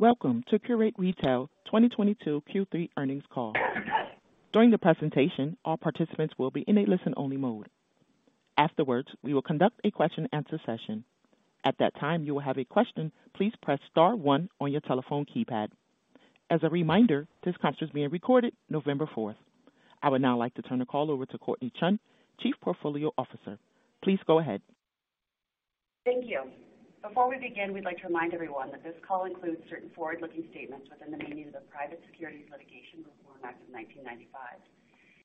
Welcome to Qurate Retail 2022 Q3 earnings call. During the presentation, all participants will be in a listen-only mode. Afterwards, we will conduct a question-and-answer session. At that time, if you have a question, please press star one on your telephone keypad. As a reminder, this conference is being recorded. November fourth. I would now like to turn the call over to Courtnee Chun, Chief Portfolio Officer. Please go ahead. Thank you. Before we begin, we'd like to remind everyone that this call includes certain forward-looking statements within the meaning of the Private Securities Litigation Reform Act of 1995.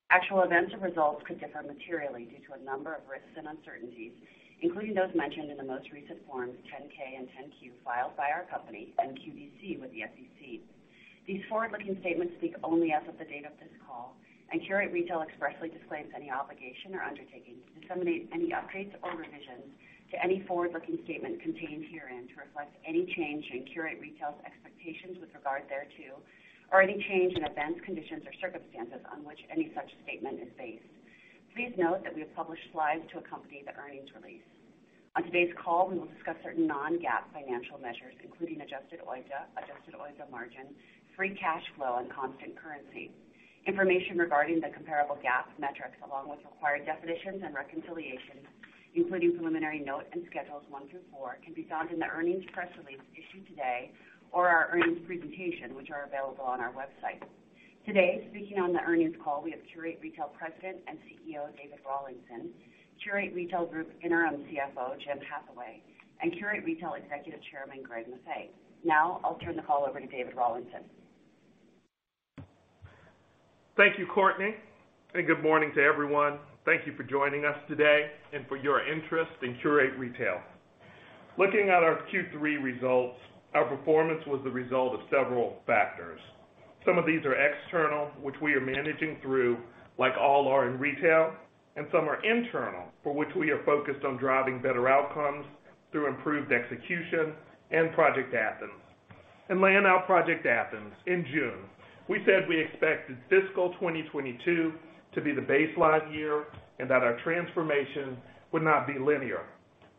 Actual events or results could differ materially due to a number of risks and uncertainties, including those mentioned in the most recent forms, Form 10-K and Form 10-Q, filed by our company and QVC with the SEC. These forward-looking statements speak only as of the date of this call, and Qurate Retail expressly disclaims any obligation or undertaking to disseminate any upgrades or revisions to any forward-looking statement contained herein to reflect any change in Qurate Retail's expectations with regard thereto, or any change in events, conditions, or circumstances on which any such statement is based. Please note that we have published slides to accompany the earnings release. On today's call, we will discuss certain non-GAAP financial measures, including adjusted OIBDA, adjusted OIBDA margin, free cash flow, and constant currency. Information regarding the comparable GAAP metrics, along with required definitions and reconciliations, including preliminary notes and schedules one through four, can be found in the earnings press release issued today or our earnings presentation, which are available on our website. Today, speaking on the earnings call, we have Qurate Retail President and CEO, David Rawlinson, Qurate Retail Group Interim CFO, James Hathaway, and Qurate Retail Executive Chairman, Greg Maffei. Now, I'll turn the call over to David Rawlinson. Thank you, Courtnee, and good morning to everyone. Thank you for joining us today and for your interest in Qurate Retail. Looking at our Q3 results, our performance was the result of several factors. Some of these are external, which we are managing through, like all are in retail, and some are internal, for which we are focused on driving better outcomes through improved execution and Project Athens. In laying out Project Athens in June, we said we expected fiscal 2022 to be the baseline year and that our transformation would not be linear.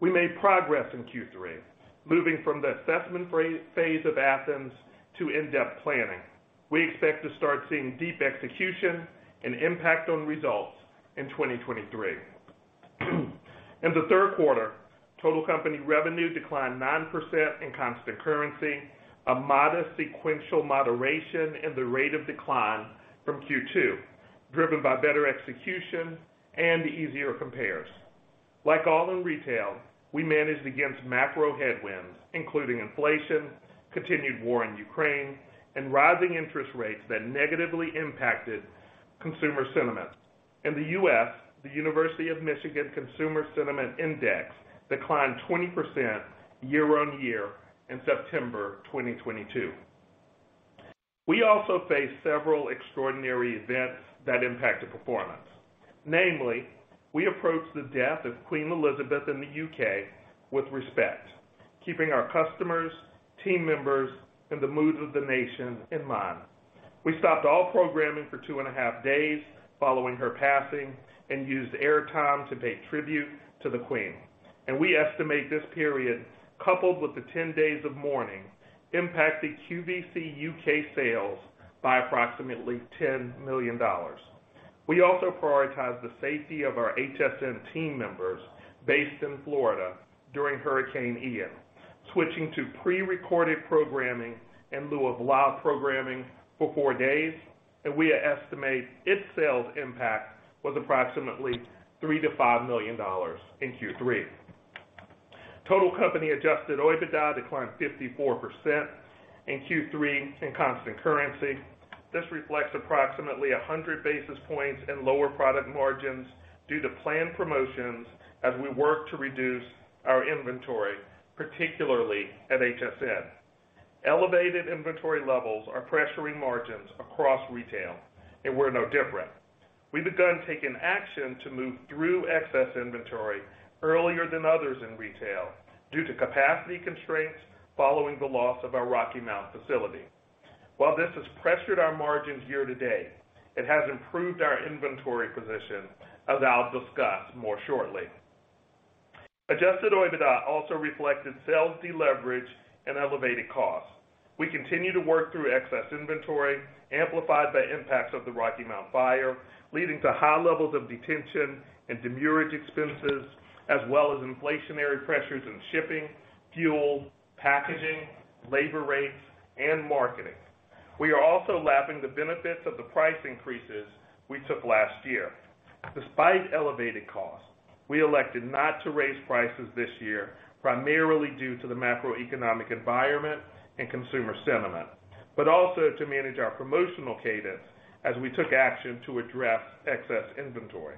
We made progress in Q3, moving from the assessment phase of Athens to in-depth planning. We expect to start seeing deep execution and impact on results in 2023. In the third quarter, total company revenue declined 9% in constant currency, a modest sequential moderation in the rate of decline from Q2, driven by better execution and easier compares. Like all in retail, we managed against macro headwinds, including inflation, continued war in Ukraine, and rising interest rates that negatively impacted consumer sentiment. In the U.S., the University of Michigan Consumer Sentiment Index declined 20% year-over-year in September 2022. We also faced several extraordinary events that impacted performance. Namely, we approached the death of Queen Elizabeth in the U.K. with respect, keeping our customers, team members, and the mood of the nation in mind. We stopped all programming for two and a half days following her passing and used airtime to pay tribute to the Queen. We estimate this period, coupled with the 10 days of mourning, impacted QVC UK sales by approximately $10 million. We also prioritized the safety of our HSN team members based in Florida during Hurricane Ian, switching to pre-recorded programming in lieu of live programming for four days, and we estimate its sales impact was approximately $3-5 million in Q3. Total company Adjusted OIBDA declined 54% in Q3 in constant currency. This reflects approximately 100 basis points and lower product margins due to planned promotions as we work to reduce our inventory, particularly at HSN. Elevated inventory levels are pressuring margins across retail, and we're no different. We've begun taking action to move through excess inventory earlier than others in retail due to capacity constraints following the loss of our Rocky Mount facility. While this has pressured our margins year to date, it has improved our inventory position, as I'll discuss more shortly. Adjusted OIBDA also reflected sales deleverage and elevated costs. We continue to work through excess inventory amplified by impacts of the Rocky Mount fire, leading to high levels of detention and demurrage expenses, as well as inflationary pressures in shipping, fuel, packaging, labor rates, and marketing. We are also lapping the benefits of the price increases we took last year. Despite elevated costs, we elected not to raise prices this year, primarily due to the macroeconomic environment and consumer sentiment, but also to manage our promotional cadence as we took action to address excess inventory.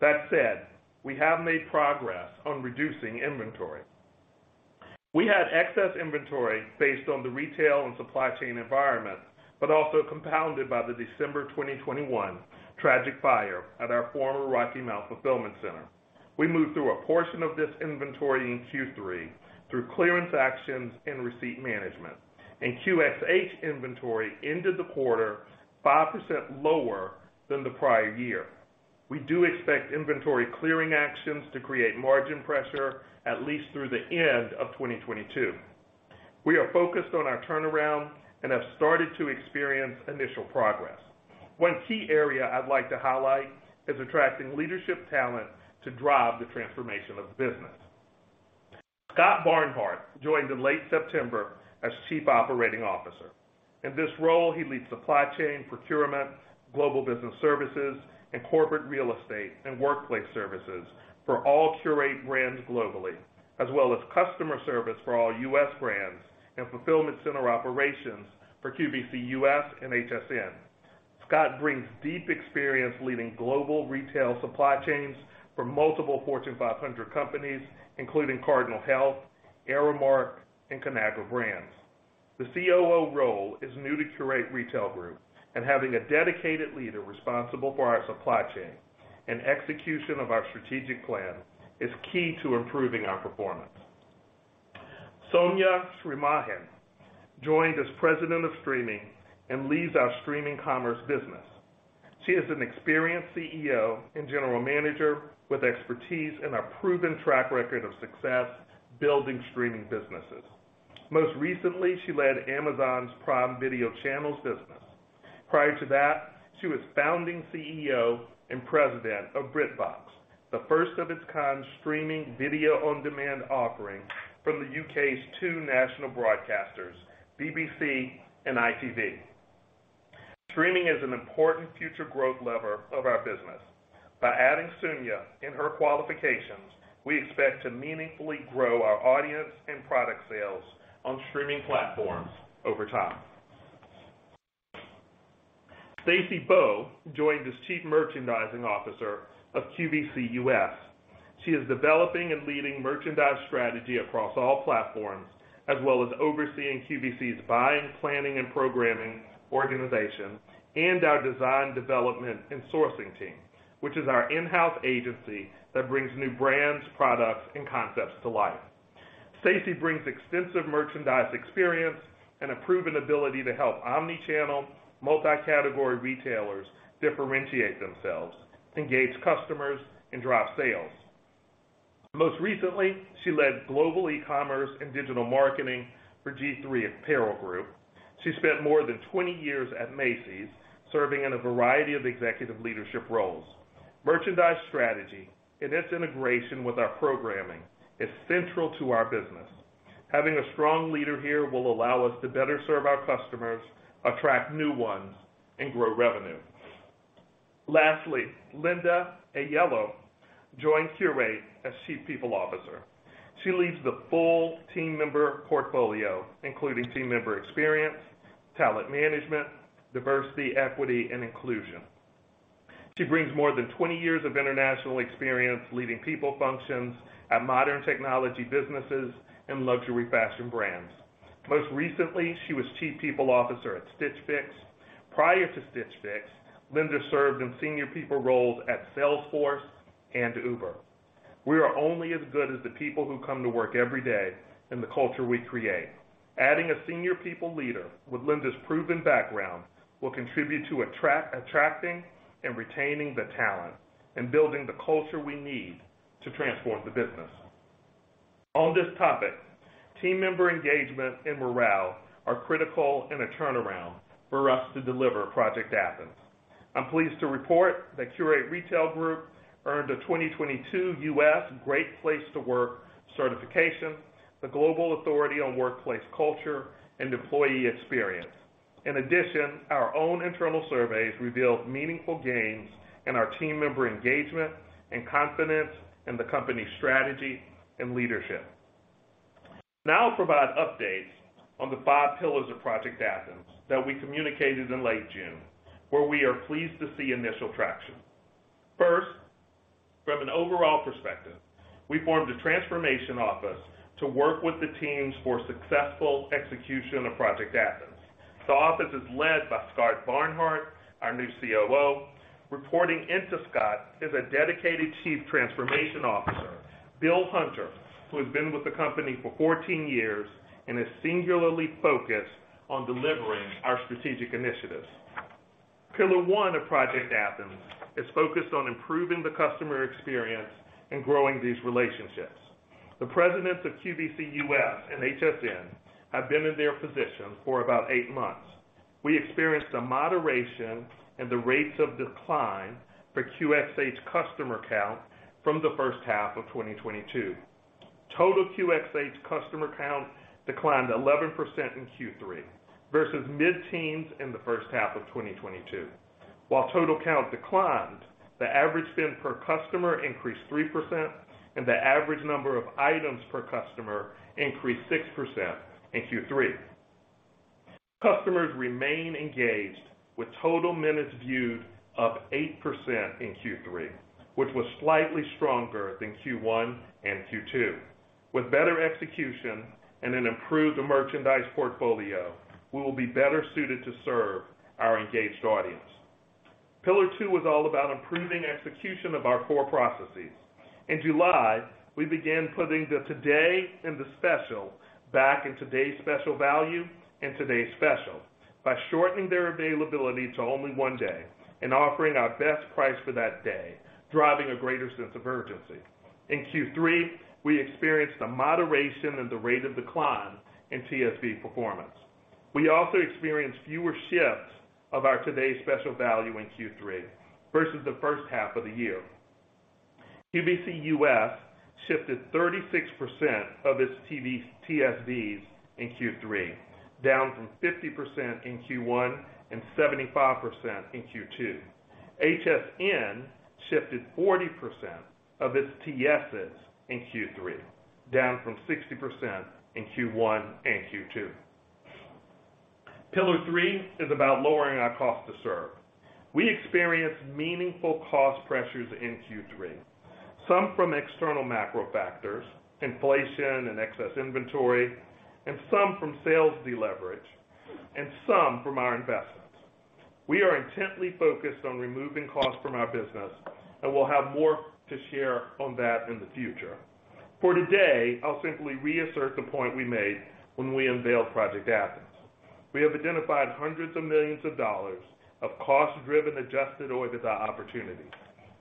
That said, we have made progress on reducing inventory. We had excess inventory based on the retail and supply chain environment, but also compounded by the December 2021 tragic fire at our former Rocky Mount fulfillment center. We moved through a portion of this inventory in Q3 through clearance actions and receipt management. QxH inventory ended the quarter 5% lower than the prior year. We do expect inventory clearing actions to create margin pressure at least through the end of 2022. We are focused on our turnaround and have started to experience initial progress. One key area I'd like to highlight is attracting leadership talent to drive the transformation of the business. Scott Barnhart joined in late September as Chief Operating Officer. In this role, he leads supply chain procurement, global business services, and corporate real estate and workplace services for all Qurate brands globally, as well as customer service for all U.S. brands and fulfillment center operations for QVC US and HSN. Scott brings deep experience leading global retail supply chains for multiple Fortune 500 companies, including Cardinal Health, Aramark, and Conagra Brands. The COO role is new to Qurate Retail Group, and having a dedicated leader responsible for our supply chain and execution of our strategic plan is key to improving our performance. Soumya Sriraman joined as President of Streaming and leads our streaming commerce business. She is an experienced CEO and general manager with expertise and a proven track record of success building streaming businesses. Most recently, she led Amazon's Prime Video Channels business. Prior to that, she was founding CEO and President of BritBox, the first of its kind streaming video on-demand offering from the U.K.'s two national broadcasters, BBC and ITV. Streaming is an important future growth lever of our business. By adding Soumya Sriraman and her qualifications, we expect to meaningfully grow our audience and product sales on streaming platforms over time. Stacy Bowe joined as Chief Merchandising Officer of QVC US. She is developing and leading merchandise strategy across all platforms, as well as overseeing QVC's buying, planning, and programming organization and our design, development, and sourcing team, which is our in-house agency that brings new brands, products, and concepts to life. Stacy Bowe brings extensive merchandise experience and a proven ability to help omni-channel, multi-category retailers differentiate themselves, engage customers, and drive sales. Most recently, she led global e-commerce and digital marketing for G-III Apparel Group. She spent more than 20 years at Macy's, serving in a variety of executive leadership roles. Merchandise strategy and its integration with our programming is central to our business. Having a strong leader here will allow us to better serve our customers, attract new ones, and grow revenue. Lastly, Linda Aiello joined Qurate as Chief People Officer. She leads the full team member portfolio, including team member experience, talent management, diversity, equity, and inclusion. She brings more than 20 years of international experience leading people functions at modern technology businesses and luxury fashion brands. Most recently, she was Chief People Officer at Stitch Fix. Prior to Stitch Fix, Linda served in senior people roles at Salesforce and Uber. We are only as good as the people who come to work every day and the culture we create. Adding a senior people leader with Linda's proven background will contribute to attracting and retaining the talent and building the culture we need to transform the business. On this topic, team member engagement and morale are critical in a turnaround for us to deliver Project Athens. I'm pleased to report that Qurate Retail Group earned a 2022 U.S. Great Place to Work certification, the global authority on workplace culture and employee experience. In addition, our own internal surveys revealed meaningful gains in our team member engagement and confidence in the company strategy and leadership. Now I'll provide updates on the five pillars of Project Athens that we communicated in late June, where we are pleased to see initial traction. First, from an overall perspective, we formed a transformation office to work with the teams for successful execution of Project Athens. The office is led by Scott Barnhart, our new COO. Reporting into Scott is a dedicated Chief Transformation Officer, Bill Hunter, who has been with the company for 14 years and is singularly focused on delivering our strategic initiatives. Pillar one of Project Athens is focused on improving the customer experience and growing these relationships. The presidents of QVC US and HSN have been in their positions for about 8 months. We experienced a moderation in the rates of decline for QxH customer count from the first half of 2022. Total QxH customer count declined 11% in Q3 versus mid-teens in the first half of 2022. While total count declined, the average spend per customer increased 3% and the average number of items per customer increased 6% in Q3. Customers remain engaged with total minutes viewed up 8% in Q3, which was slightly stronger than Q1 and Q2. With better execution and an improved merchandise portfolio, we will be better suited to serve our engaged audience. Pillar two is all about improving execution of our core processes. In July, we began putting the today and the special back in Today's Special Value and today's special by shortening their availability to only one day and offering our best price for that day, driving a greater sense of urgency. In Q3, we experienced a moderation in the rate of decline in TSV performance. We also experienced fewer shifts of our Today's Special Value in Q3 versus the first half of the year. QVC US shifted 36% of its TSVs in Q3, down from 50% in Q1 and 75% in Q2. HSN shifted 40% of its TSVs in Q3, down from 60% in Q1 and Q2. Pillar three is about lowering our cost to serve. We experienced meaningful cost pressures in Q3, some from external macro factors, inflation and excess inventory, and some from sales deleverage, and some from our investments. We are intently focused on removing costs from our business, and we'll have more to share on that in the future. For today, I'll simply reassert the point we made when we unveiled Project Athens. We have identified hundreds of millions of dollars of cost-driven Adjusted OIBDA opportunities.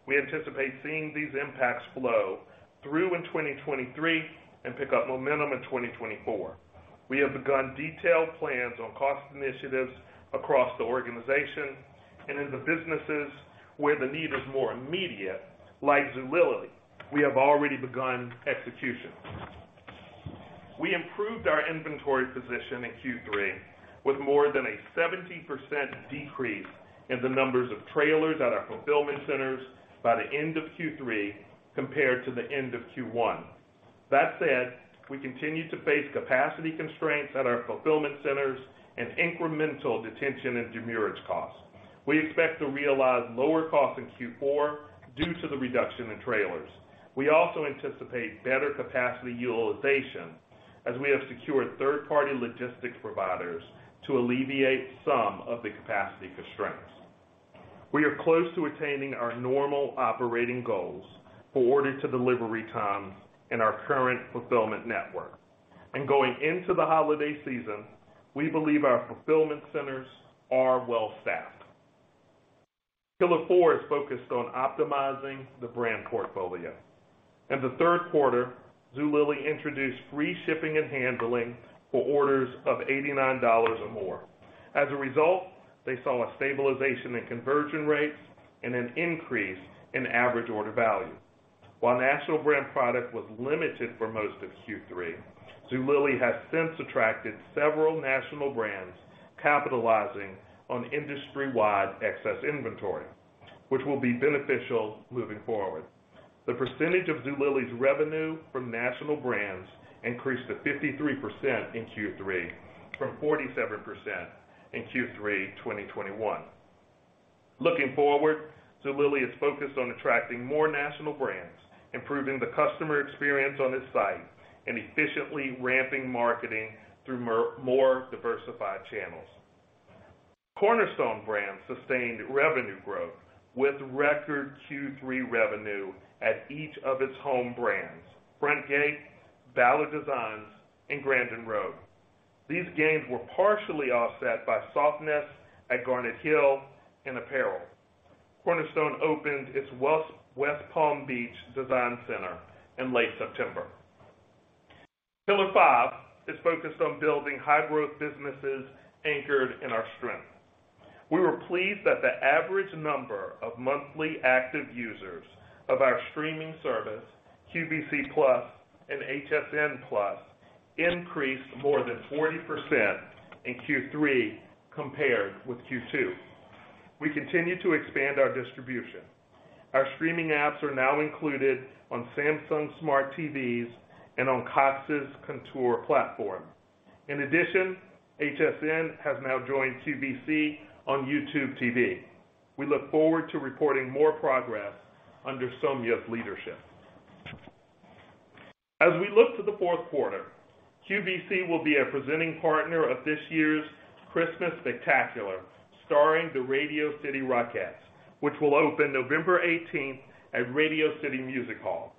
We anticipate seeing these impacts flow through in 2023 and pick up momentum in 2024. We have begun detailed plans on cost initiatives across the organization and in the businesses where the need is more immediate, like Zulily, we have already begun execution. We improved our inventory position in Q3 with more than a 70% decrease in the numbers of trailers at our fulfillment centers by the end of Q3 compared to the end of Q1. That said, we continue to face capacity constraints at our fulfillment centers and incremental detention and demurrage costs. We expect to realize lower costs in Q4 due to the reduction in trailers. We also anticipate better capacity utilization as we have secured third-party logistics providers to alleviate some of the capacity constraints. We are close to attaining our normal operating goals for order to delivery times in our current fulfillment network. Going into the holiday season, we believe our fulfillment centers are well staffed. Pillar four is focused on optimizing the brand portfolio. In the third quarter, Zulily introduced free shipping and handling for orders of $89 or more. As a result, they saw a stabilization in conversion rates and an increase in average order value. While national brand product was limited for most of Q3, Zulily has since attracted several national brands capitalizing on industry-wide excess inventory, which will be beneficial moving forward. The percentage of Zulily's revenue from national brands increased to 53% in Q3 from 47% in Q3 2021. Looking forward, Zulily is focused on attracting more national brands, improving the customer experience on this site, and efficiently ramping marketing through more diversified channels. Cornerstone Brands sustained revenue growth with record Q3 revenue at each of its home brands, Frontgate, Ballard Designs, and Grandin Road. These gains were partially offset by softness at Garnet Hill and apparel. Cornerstone opened its West Palm Beach design center in late September. Pillar five is focused on building high-growth businesses anchored in our strength. We were pleased that the average number of monthly active users of our streaming service, QVC+ and HSN+, increased more than 40% in Q3 compared with Q2. We continue to expand our distribution. Our streaming apps are now included on Samsung Smart TVs and on Cox's Contour platform. In addition, HSN has now joined QVC on YouTube TV. We look forward to reporting more progress under Soumya's leadership. As we look to the fourth quarter, QVC will be a presenting partner of this year's Christmas Spectacular starring the Radio City Rockettes, which will open November eighteenth at Radio City Music Hall.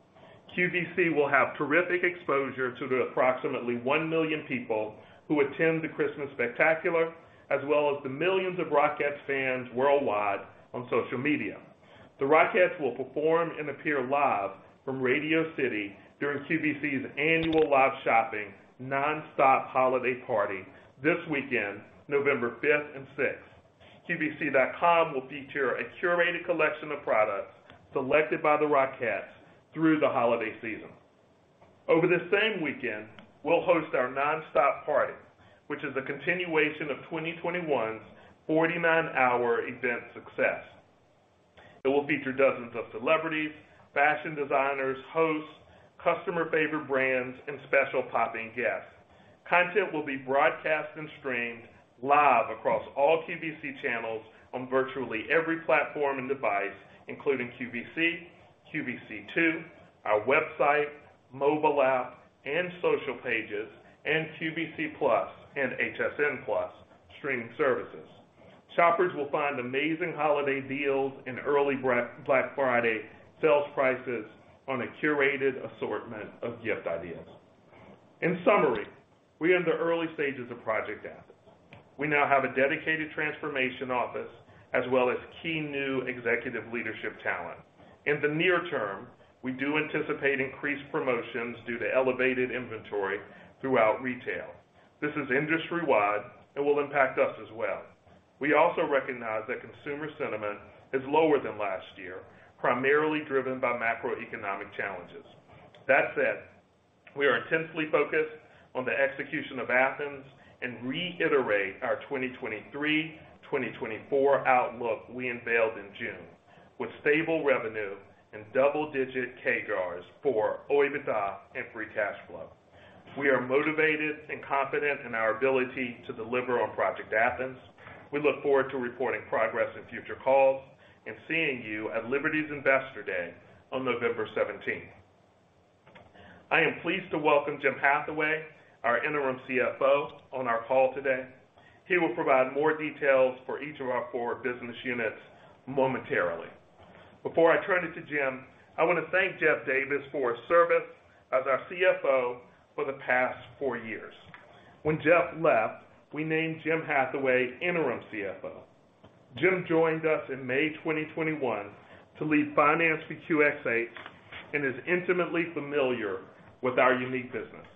QVC will have terrific exposure to the approximately 1 million people who attend the Christmas Spectacular, as well as the millions of Rockettes fans worldwide on social media. The Rockettes will perform and appear live from Radio City during QVC's annual live shopping nonstop holiday party this weekend, November fifth and sixth. QVC.com will feature a curated collection of products selected by the Rockettes through the holiday season. Over this same weekend, we'll host our nonstop party, which is a continuation of 2021's 49-hour event success. It will feature dozens of celebrities, fashion designers, hosts, customer favorite brands, and special popping guests. Content will be broadcast and streamed live across all QVC channels on virtually every platform and device, including QVC, QVC2, our website, mobile app, and social pages, and QVC+ and HSN+ streaming services. Shoppers will find amazing holiday deals and early Black Friday sales prices on a curated assortment of gift ideas. In summary, we are in the early stages of Project Athens. We now have a dedicated transformation office as well as key new executive leadership talent. In the near term, we do anticipate increased promotions due to elevated inventory throughout retail. This is industry-wide and will impact us as well. We also recognize that consumer sentiment is lower than last year, primarily driven by macroeconomic challenges. That said, we are intensely focused on the execution of Project Athens and reiterate our 2023/2024 outlook we unveiled in June, with stable revenue and double-digit CAGRs for OIBDA and free cash flow. We are motivated and confident in our ability to deliver on Project Athens. We look forward to reporting progress in future calls and seeing you at Liberty's Investor Day on November seventeenth. I am pleased to welcome Jim Hathaway, our interim CFO, on our call today. He will provide more details for each of our four business units momentarily. Before I turn it to Jim, I wanna thank Jeff Davis for his service as our CFO for the past four years. When Jeff left, we named Jim Hathaway interim CFO. Jim joined us in May 2021 to lead finance for QxH and is intimately familiar with our unique business.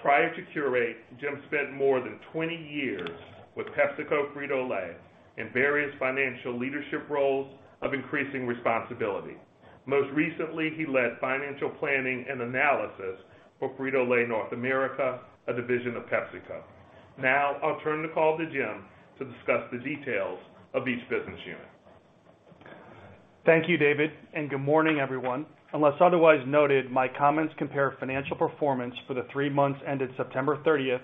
Prior to Qurate, Jim spent more than 20 years with PepsiCo Frito-Lay in various financial leadership roles of increasing responsibility. Most recently, he led financial planning and analysis for Frito-Lay North America, a division of PepsiCo. Now, I'll turn the call to Jim to discuss the details of each business unit. Thank you, David, and good morning, everyone. Unless otherwise noted, my comments compare financial performance for the three months ended September 30,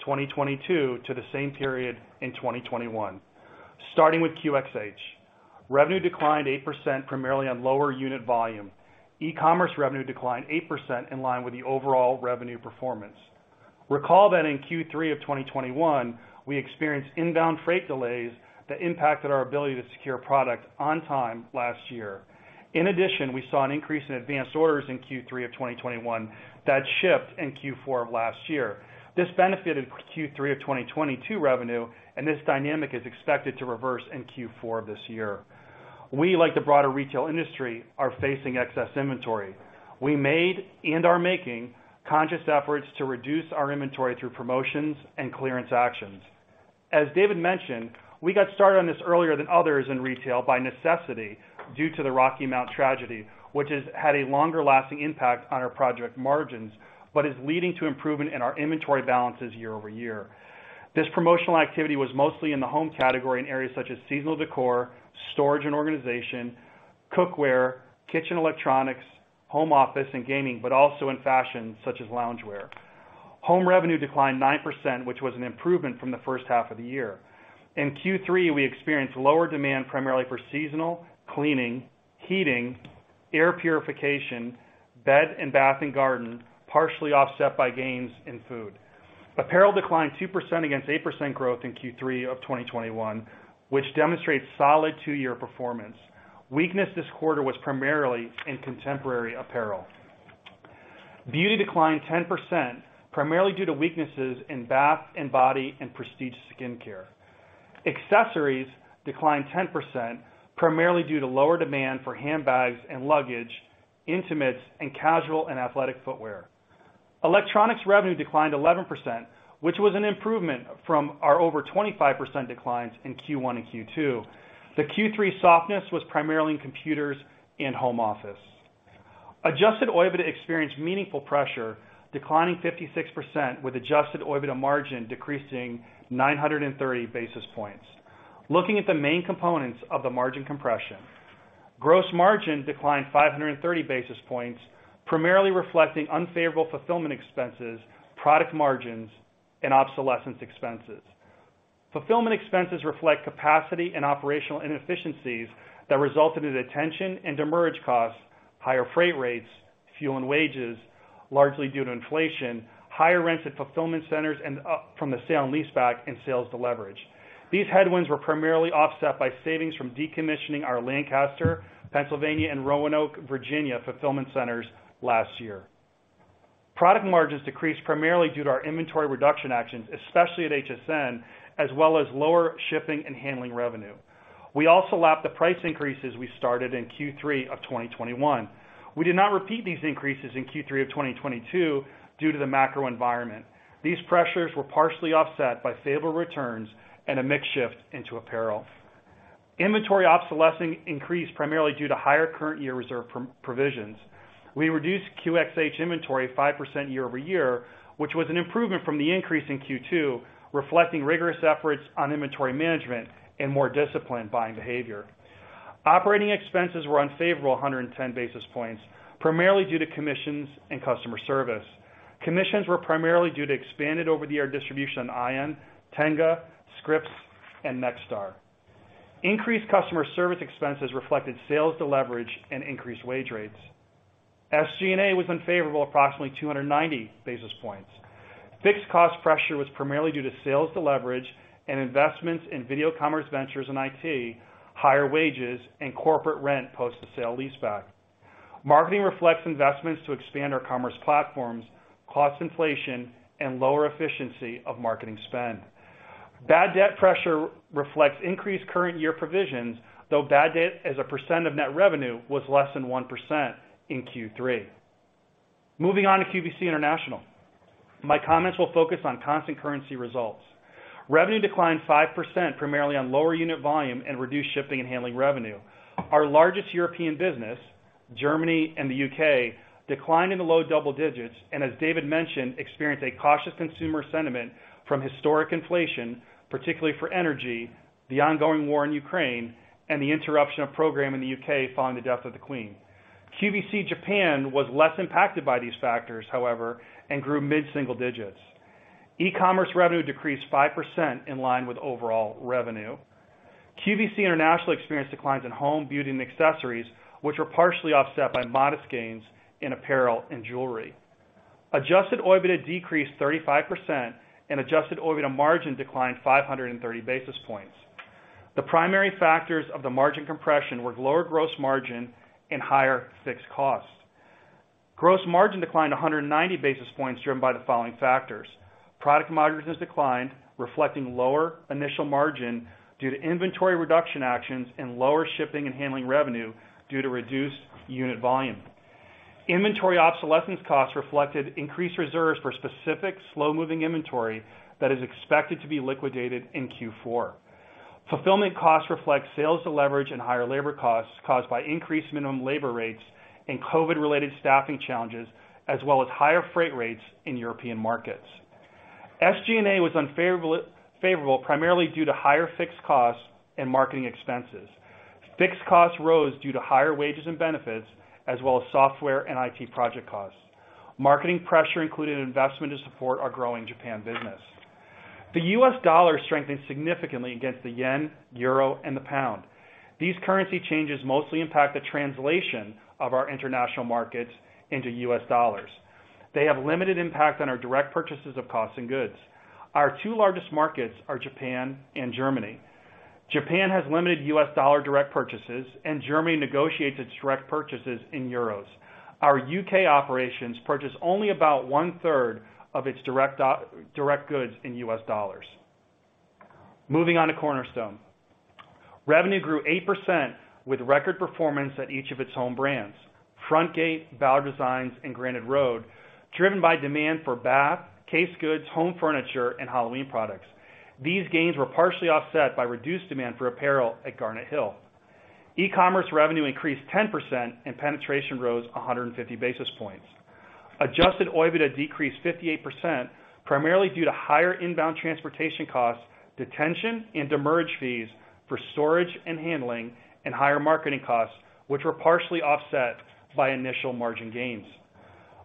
2022 to the same period in 2021. Starting with QxH. Revenue declined 8%, primarily on lower unit volume. E-commerce revenue declined 8% in line with the overall revenue performance. Recall that in Q3 of 2021, we experienced inbound freight delays that impacted our ability to secure product on time last year. In addition, we saw an increase in advanced orders in Q3 of 2021 that shipped in Q4 of last year. This benefited Q3 of 2022 revenue, and this dynamic is expected to reverse in Q4 of this year. We, like the broader retail industry, are facing excess inventory. We made and are making conscious efforts to reduce our inventory through promotions and clearance actions. As David mentioned, we got started on this earlier than others in retail by necessity due to the Rocky Mount tragedy, which has had a longer-lasting impact on our profit margins, but is leading to improvement in our inventory balances year-over-year. This promotional activity was mostly in the home category in areas such as seasonal decor, storage and organization, cookware, kitchen electronics, home office and gaming, but also in fashion, such as loungewear. Home revenue declined 9%, which was an improvement from the first half of the year. In Q3, we experienced lower demand, primarily for seasonal, cleaning, heating, air purification, bed and bath and garden, partially offset by gains in food. Apparel declined 2% against 8% growth in Q3 of 2021, which demonstrates solid two-year performance. Weakness this quarter was primarily in contemporary apparel. Beauty declined 10%, primarily due to weaknesses in bath and body and prestige skincare. Accessories declined 10%, primarily due to lower demand for handbags and luggage, intimates and casual and athletic footwear. Electronics revenue declined 11%, which was an improvement from our over 25% declines in Q1 and Q2. The Q3 softness was primarily in computers and home office. Adjusted OIBDA experienced meaningful pressure, declining 56% with adjusted OIBDA margin decreasing 930 basis points. Looking at the main components of the margin compression. Gross margin declined 530 basis points, primarily reflecting unfavorable fulfillment expenses, product margins, and obsolescence expenses. Fulfillment expenses reflect capacity and operational inefficiencies that resulted in detention and demurrage costs, higher freight rates, fuel and wages, largely due to inflation, higher rents at fulfillment centers and from the sale-leaseback and sales to leverage. These headwinds were primarily offset by savings from decommissioning our Lancaster, Pennsylvania and Roanoke, Virginia, fulfillment centers last year. Product margins decreased primarily due to our inventory reduction actions, especially at HSN, as well as lower shipping and handling revenue. We also lapped the price increases we started in Q3 of 2021. We did not repeat these increases in Q3 of 2022 due to the macro environment. These pressures were partially offset by favorable returns and a mix shift into apparel. Inventory obsolescence increased primarily due to higher current year reserve provisions. We reduced QxH inventory 5% year-over-year, which was an improvement from the increase in Q2, reflecting rigorous efforts on inventory management and more disciplined buying behavior. Operating expenses were unfavorable 110 basis points, primarily due to commissions and customer service. Commissions were primarily due to expanded over-the-air distribution on ION, TEGNA, Scripps and Nexstar. Increased customer service expenses reflected sales-to-leverage and increased wage rates. SG&A was unfavorable approximately 290 basis points. Fixed cost pressure was primarily due to sales-to-leverage and investments in video commerce ventures and IT, higher wages, and corporate rent post the sale-leaseback. Marketing reflects investments to expand our commerce platforms, cost inflation, and lower efficiency of marketing spend. Bad debt pressure reflects increased current year provisions, though bad debt as a percent of net revenue was less than 1% in Q3. Moving on to QVC International. My comments will focus on constant currency results. Revenue declined 5%, primarily on lower unit volume and reduced shipping and handling revenue. Our largest European business, Germany and the UK, declined in the low double digits and, as David mentioned, experienced a cautious consumer sentiment from historic inflation, particularly for energy, the ongoing war in Ukraine, and the interruption of program in the UK following the death of the Queen. QVC Japan was less impacted by these factors, however, and grew mid single digits. E-commerce revenue decreased 5% in line with overall revenue. QVC International experienced declines in home, beauty, and accessories, which were partially offset by modest gains in apparel and jewelry. Adjusted OIBDA decreased 35% and adjusted OIBDA margin declined 530 basis points. The primary factors of the margin compression were lower gross margin and higher fixed costs. Gross margin declined 100 basis points driven by the following factors. Product margins declined, reflecting lower initial margin due to inventory reduction actions and lower shipping and handling revenue due to reduced unit volume. Inventory obsolescence costs reflected increased reserves for specific slow-moving inventory that is expected to be liquidated in Q4. Fulfillment costs reflect sales to leverage and higher labor costs caused by increased minimum labor rates and COVID-related staffing challenges, as well as higher freight rates in European markets. SG&A was favorable primarily due to higher fixed costs and marketing expenses. Fixed costs rose due to higher wages and benefits as well as software and IT project costs. Marketing expenses included investment to support our growing Japan business. The US dollar strengthened significantly against the yen, euro, and the pound. These currency changes mostly impact the translation of our international markets into US dollars. They have limited impact on our direct purchases of costs and goods. Our two largest markets are Japan and Germany. Japan has limited US dollar direct purchases, and Germany negotiates its direct purchases in euros. Our UK operations purchase only about one-third of its direct goods in US dollars. Moving on to Cornerstone. Revenue grew 8% with record performance at each of its home brands, Frontgate, Ballard Designs, and Grandin Road, driven by demand for bath, case goods, home furniture, and Halloween products. These gains were partially offset by reduced demand for apparel at Garnet Hill. E-commerce revenue increased 10%, and penetration rose 150 basis points. Adjusted OIBDA decreased 58%, primarily due to higher inbound transportation costs, detention and demurrage fees for storage and handling, and higher marketing costs, which were partially offset by initial margin gains.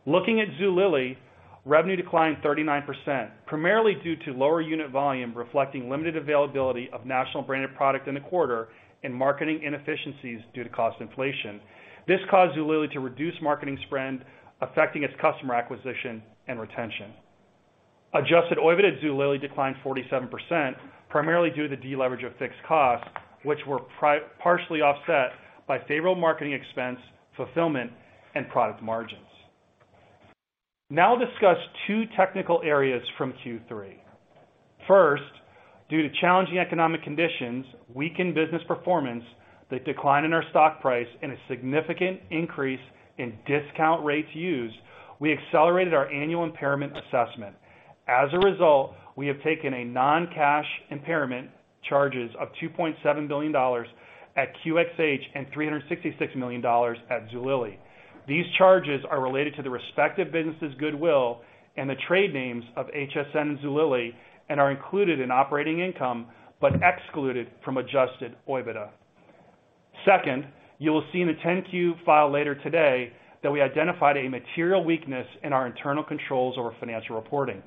Looking at Zulily, revenue declined 39%, primarily due to lower unit volume reflecting limited availability of national branded product in the quarter and marketing inefficiencies due to cost inflation. This caused Zulily to reduce marketing spend, affecting its customer acquisition and retention. Adjusted OIBDA at Zulily declined 47%, primarily due to the deleverage of fixed costs, which were partially offset by favorable marketing expense, fulfillment, and product margins. Now I'll discuss two technical areas from Q3. First, due to challenging economic conditions, weakened business performance, the decline in our stock price, and a significant increase in discount rates used, we accelerated our annual impairment assessment. As a result, we have taken a non-cash impairment charges of $2.7 billion at QxH and $366 million at Zulily. These charges are related to the respective business' goodwill and the trade names of HSN and Zulily and are included in operating income but excluded from Adjusted OIBDA. Second, you will see in the 10-Q filing later today that we identified a material weakness in our internal controls over financial reporting.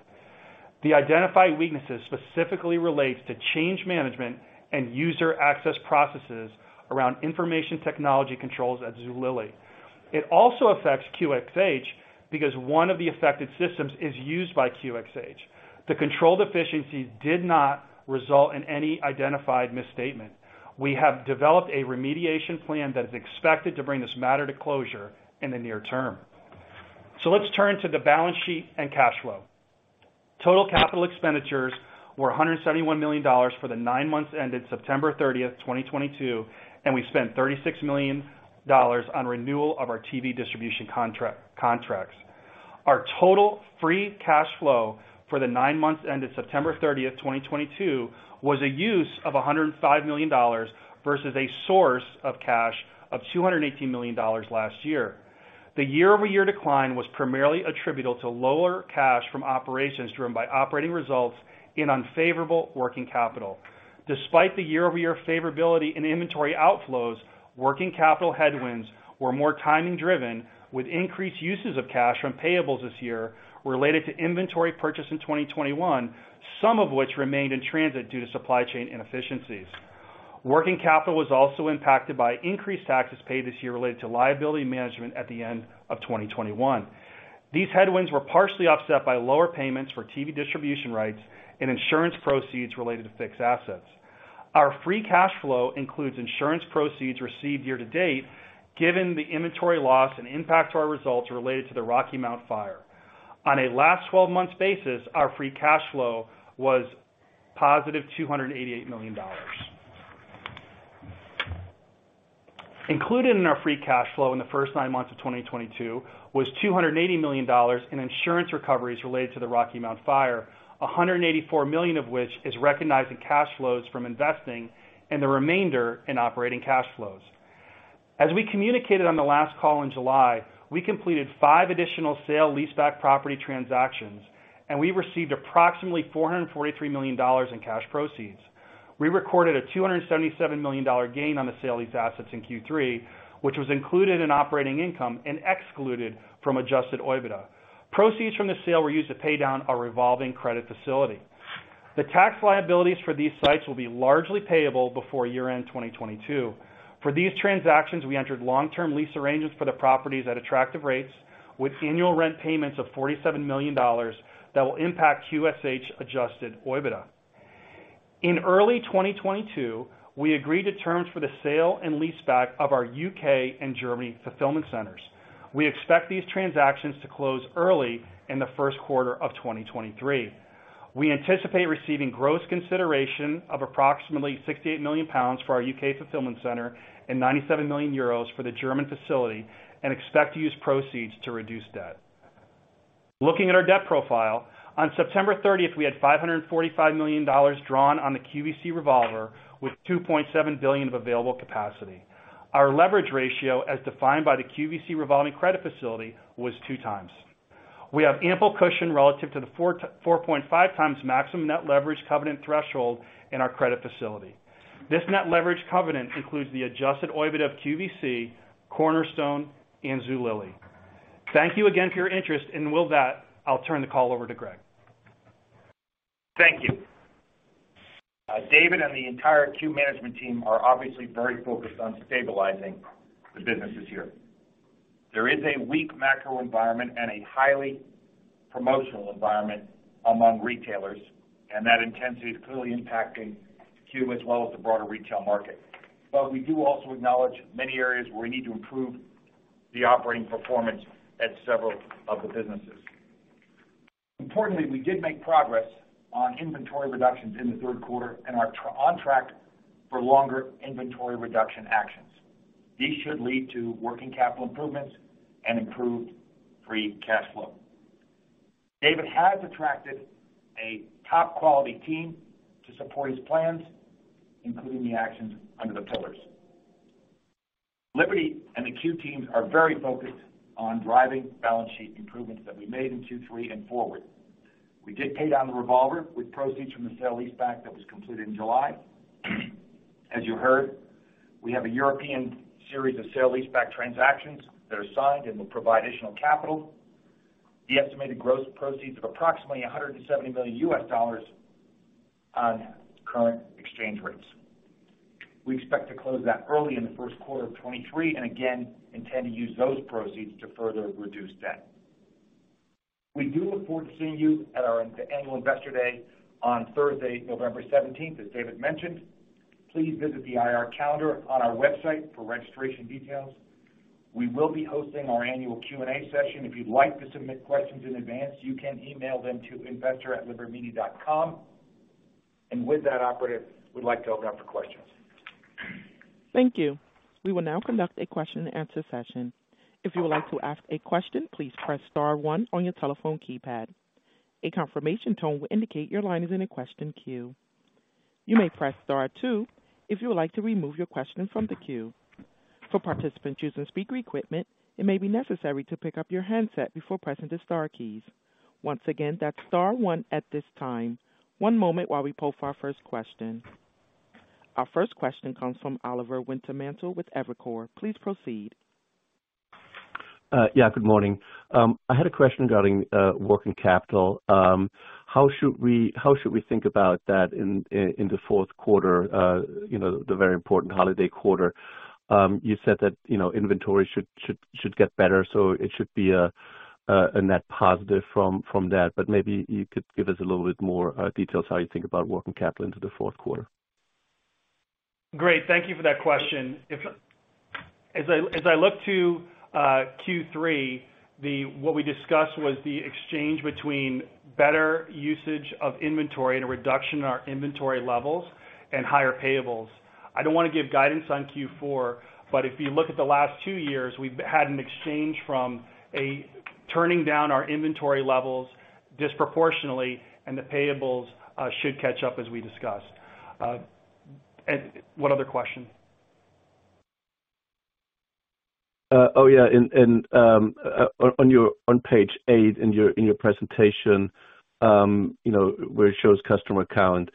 The identified weaknesses specifically relates to change management and user access processes around information technology controls at Zulily. It also affects QxH because one of the affected systems is used by QxH. The control deficiencies did not result in any identified misstatement. We have developed a remediation plan that is expected to bring this matter to closure in the near term. Let's turn to the balance sheet and cash flow. Total capital expenditures were $171 million for the nine months ended September 30, 2022, and we spent $36 million on renewal of our TV distribution contracts. Our total free cash flow for the nine months ended September 30, 2022, was a use of $105 million versus a source of cash of $218 million last year. The year-over-year decline was primarily attributable to lower cash from operations driven by operating results in unfavorable working capital. Despite the year-over-year favorability in inventory outflows, working capital headwinds were more timing driven, with increased uses of cash from payables this year related to inventory purchased in 2021, some of which remained in transit due to supply chain inefficiencies. Working capital was also impacted by increased taxes paid this year related to liability management at the end of 2021. These headwinds were partially offset by lower payments for TV distribution rights and insurance proceeds related to fixed assets. Our free cash flow includes insurance proceeds received year to date, given the inventory loss and impact to our results related to the Rocky Mount fire. On a last twelve months basis, our free cash flow was positive $288 million. Included in our free cash flow in the first nine months of 2022 was $280 million in insurance recoveries related to the Rocky Mount fire, $184 million of which is recognized in cash flows from investing and the remainder in operating cash flows. As we communicated on the last call in July, we completed five additional sale-leaseback property transactions, and we received approximately $443 million in cash proceeds. We recorded a $277 million gain on the sale of these assets in Q3, which was included in operating income and excluded from adjusted OIBDA. Proceeds from the sale were used to pay down our revolving credit facility. The tax liabilities for these sites will be largely payable before year-end 2022. For these transactions, we entered long-term lease arrangements for the properties at attractive rates with annual rent payments of $47 million that will impact QxH adjusted OIBDA. In early 2022, we agreed to terms for the sale and leaseback of our UK and Germany fulfillment centers. We expect these transactions to close early in the first quarter of 2023. We anticipate receiving gross consideration of approximately 68 million pounds for our UK fulfillment center and 97 million euros for the German facility and expect to use proceeds to reduce debt. Looking at our debt profile, on September 30, we had $545 million drawn on the QVC revolver with $2.7 billion of available capacity. Our leverage ratio, as defined by the QVC revolving credit facility, was 2x. We have ample cushion relative to the 4-4.5x maximum net leverage covenant threshold in our credit facility. This net leverage covenant includes the Adjusted OIBDA of QVC, Cornerstone, and Zulily. Thank you again for your interest. With that, I'll turn the call over to Greg. Thank you. David and the entire Q management team are obviously very focused on stabilizing the businesses here. There is a weak macro environment and a highly promotional environment among retailers, and that intensity is clearly impacting Q as well as the broader retail market. We do also acknowledge many areas where we need to improve the operating performance at several of the businesses. Importantly, we did make progress on inventory reductions in the third quarter and are on track for longer inventory reduction actions. These should lead to working capital improvements and improved free cash flow. David has attracted a top-quality team to support his plans, including the actions under the pillars. Liberty and the Q teams are very focused on driving balance sheet improvements that we made in Q3 and forward. We did pay down the revolver with proceeds from the sale-leaseback that was completed in July. As you heard, we have a European series of sale-leaseback transactions that are signed and will provide additional capital. The estimated gross proceeds of approximately $170 million on current exchange rates. We expect to close that early in the first quarter of 2023 and again intend to use those proceeds to further reduce debt. We do look forward to seeing you at our annual Investor Day on Thursday, November 17, as David mentioned. Please visit the IR calendar on our website for registration details. We will be hosting our annual Q&A session. If you'd like to submit questions in advance, you can email them to investor@libertymedia.com. With that operator, we'd like to open up for questions. Thank you. We will now conduct a question and answer session. If you would like to ask a question, please press star one on your telephone keypad. A confirmation tone will indicate your line is in a question queue. You may press star two if you would like to remove your question from the queue. For participants using speaker equipment, it may be necessary to pick up your handset before pressing the star keys. Once again, that's star one at this time. One moment while we poll for our first question. Our first question comes from Oliver Wintermantel with Evercore. Please proceed. Yeah, good morning. I had a question regarding working capital. How should we think about that in the fourth quarter, you know, the very important holiday quarter? You said that, you know, inventory should get better, so it should be a net positive from that. But maybe you could give us a little bit more details how you think about working capital into the fourth quarter. Great. Thank you for that question. If, as I look to Q3, what we discussed was the exchange between better usage of inventory and a reduction in our inventory levels and higher payables. I don't wanna give guidance on Q4, but if you look at the last two years, we've had an exchange from a turning down our inventory levels disproportionately and the payables should catch up, as we discussed. What other question? On page eight in your presentation, you know, where it shows customer count,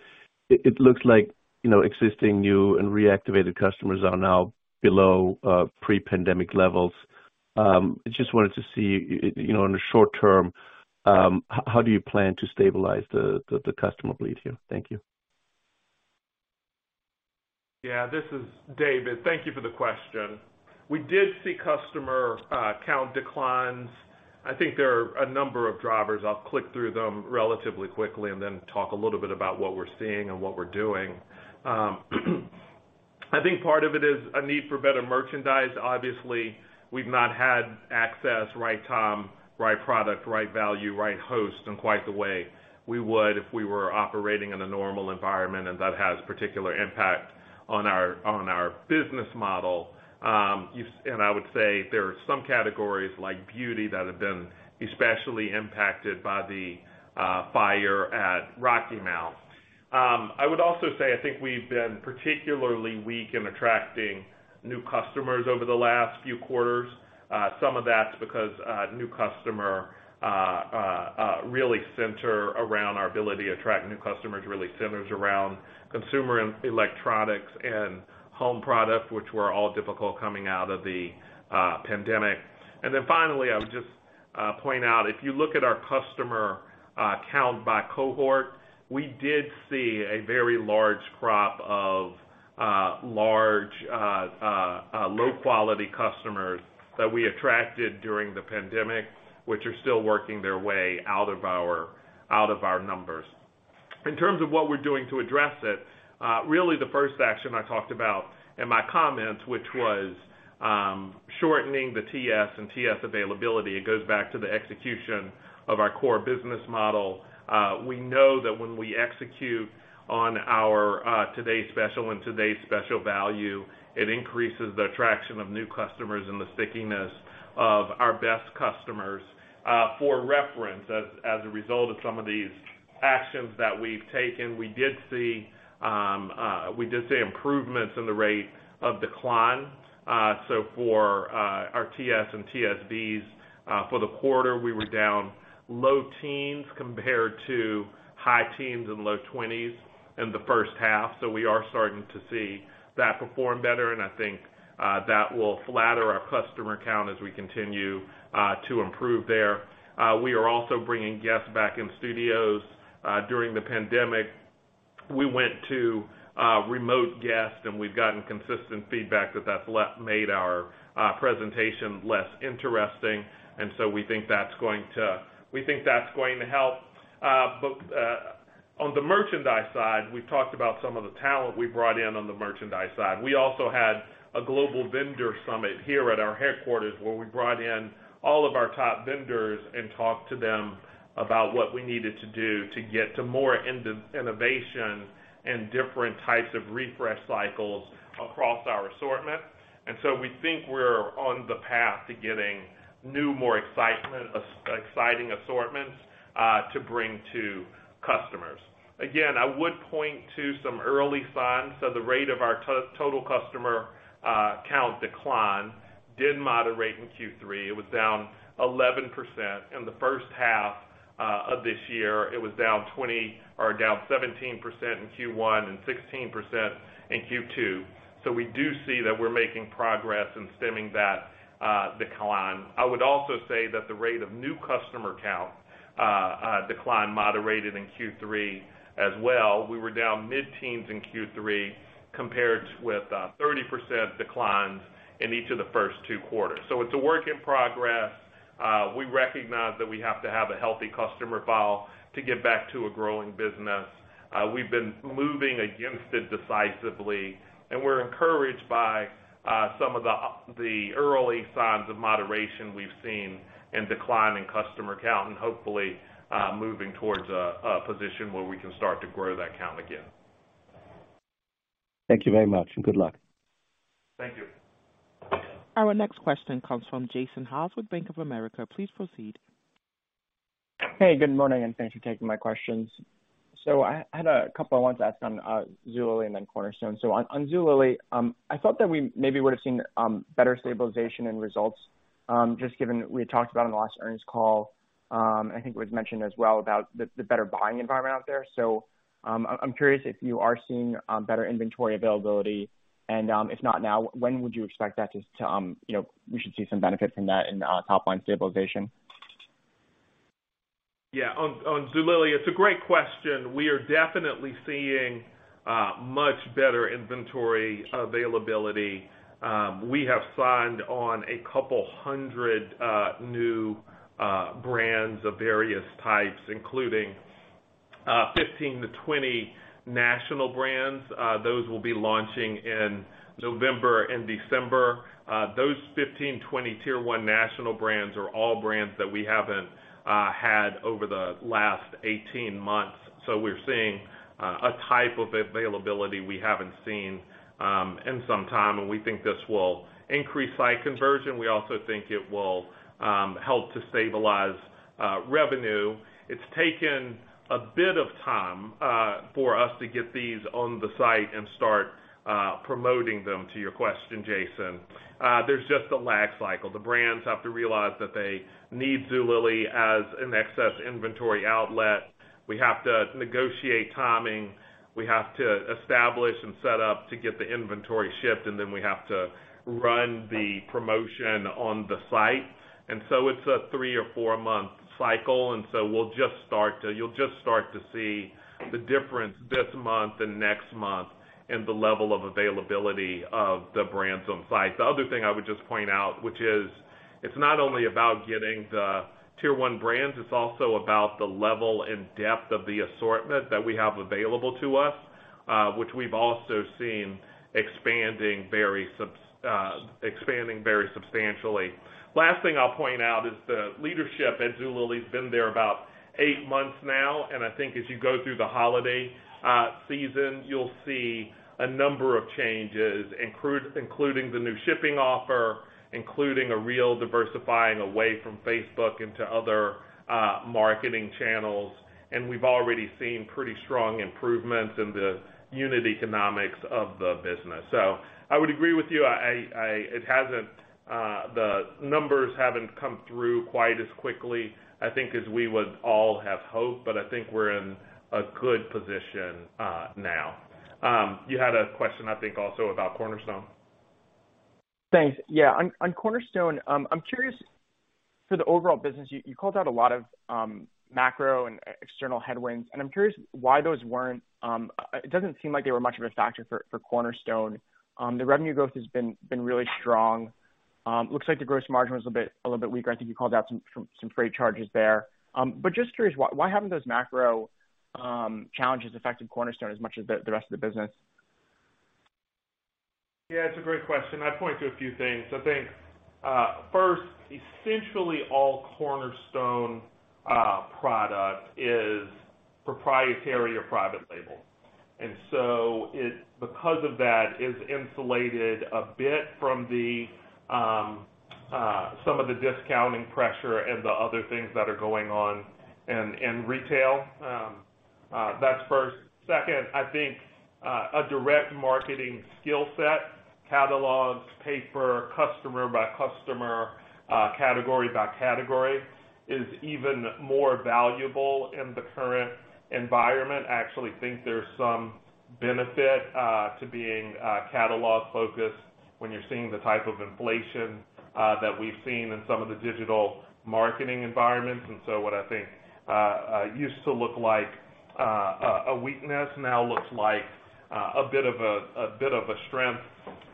it looks like, you know, existing, new, and reactivated customers are now below pre-pandemic levels. I just wanted to see, you know, in the short term, how do you plan to stabilize the customer bleed here? Thank you. Yeah. This is David. Thank you for the question. We did see customer count declines. I think there are a number of drivers. I'll click through them relatively quickly and then talk a little bit about what we're seeing and what we're doing. I think part of it is a need for better merchandise. Obviously, we've not had access, right time, right product, right value, right host in quite the way we would if we were operating in a normal environment and that has particular impact on our business model. And I would say there are some categories like beauty that have been especially impacted by the fire at Rocky Mount. I would also say I think we've been particularly weak in attracting new customers over the last few quarters. Some of that's because it really centers around our ability to attract new customers, really centers around consumer electronics and home products, which were all difficult coming out of the pandemic. Finally, I would just point out if you look at our customer count by cohort, we did see a very large crop of low quality customers that we attracted during the pandemic, which are still working their way out of our numbers. In terms of what we're doing to address it, really the first action I talked about in my comments, which was shortening the TSV availability. It goes back to the execution of our core business model. We know that when we execute on our today's special and today's special value, it increases the attraction of new customers and the stickiness of our best customers. For reference, as a result of some of these actions that we've taken, we did see improvements in the rate of decline. For our TS and TSVs for the quarter, we were down low teens% compared to high teens% and low twenties% in the first half. We are starting to see that perform better, and I think that will flatter our customer count as we continue to improve there. We are also bringing guests back in studios. During the pandemic, we went to remote guests and we've gotten consistent feedback that that's made our presentation less interesting. We think that's going to help. On the merchandise side, we've talked about some of the talent we brought in on the merchandise side. We also had a global vendor summit here at our headquarters where we brought in all of our top vendors and talked to them about what we needed to do to get to more innovation and different types of refresh cycles across our assortment. We think we're on the path to getting new, more exciting assortments to bring to customers. Again, I would point to some early signs. The rate of our total customer count decline did moderate in Q3. It was down 11%. In the first half of this year it was down 20%, or down 17% in Q1 and 16% in Q2. We do see that we're making progress in stemming that decline. I would also say that the rate of new customer count decline moderated in Q3 as well. We were down mid-teens in Q3 compared with 30% declines in each of the first two quarters. It's a work in progress. We recognize that we have to have a healthy customer file to get back to a growing business. We've been moving against it decisively, and we're encouraged by some of the early signs of moderation we've seen in declining customer count and hopefully moving towards a position where we can start to grow that count again. Thank you very much and good luck. Thank you. Our next question comes from Jason Haas with Bank of America. Please proceed. Hey, good morning, and thanks for taking my questions. I had a couple I wanted to ask on Zulily and then Cornerstone. On Zulily, I thought that we maybe would've seen better stabilization and results, just given we had talked about on the last earnings call. I think it was mentioned as well about the better buying environment out there. I'm curious if you are seeing better inventory availability and, if not now, when would you expect that to you know we should see some benefit from that in top line stabilization? Yeah. On Zulily, it's a great question. We are definitely seeing much better inventory availability. We have signed on 200 new brands of various types, including 15-20 national brands. Those will be launching in November and December. Those 15-20 tier one national brands are all brands that we haven't had over the last 18 months. We're seeing a type of availability we haven't seen in some time and we think this will increase site conversion. We also think it will help to stabilize revenue. It's taken a bit of time for us to get these on the site and start promoting them, to your question, Jason. There's just a lag cycle. The brands have to realize that they need Zulily as an excess inventory outlet. We have to negotiate timing. We have to establish and set up to get the inventory shipped, and then we have to run the promotion on the site. It's a three- or four-month cycle, and so we'll just start to see the difference this month and next month in the level of availability of the brands on site. The other thing I would just point out, which is it's not only about getting the tier one brands, it's also about the level and depth of the assortment that we have available to us, which we've also seen expanding very substantially. Last thing I'll point out is the leadership at Zulily has been there about eight months now, and I think as you go through the holiday season, you'll see a number of changes, including the new shipping offer, including a real diversifying away from Facebook into other marketing channels. We've already seen pretty strong improvements in the unit economics of the business. I would agree with you. It hasn't, the numbers haven't come through quite as quickly, I think, as we would all have hoped, but I think we're in a good position now. You had a question, I think, also about Cornerstone. Thanks. Yeah, on Cornerstone, I'm curious for the overall business. You called out a lot of macro and external headwinds, and I'm curious why those weren't. It doesn't seem like they were much of a factor for Cornerstone. The revenue growth has been really strong. Looks like the gross margin was a bit, a little bit weaker. I think you called out some freight charges there. Just curious, why haven't those macro challenges affected Cornerstone as much as the rest of the business? Yeah, it's a great question. I'd point to a few things. I think first, essentially all Cornerstone product is proprietary or private label. It, because of that, is insulated a bit from some of the discounting pressure and the other things that are going on in retail. That's first. Second, I think a direct marketing skill set, catalogs, paper, customer by customer, category by category is even more valuable in the current environment. I actually think there's some benefit to being catalog-focused when you're seeing the type of inflation that we've seen in some of the digital marketing environments. What I think used to look like a weakness now looks like a bit of a strength.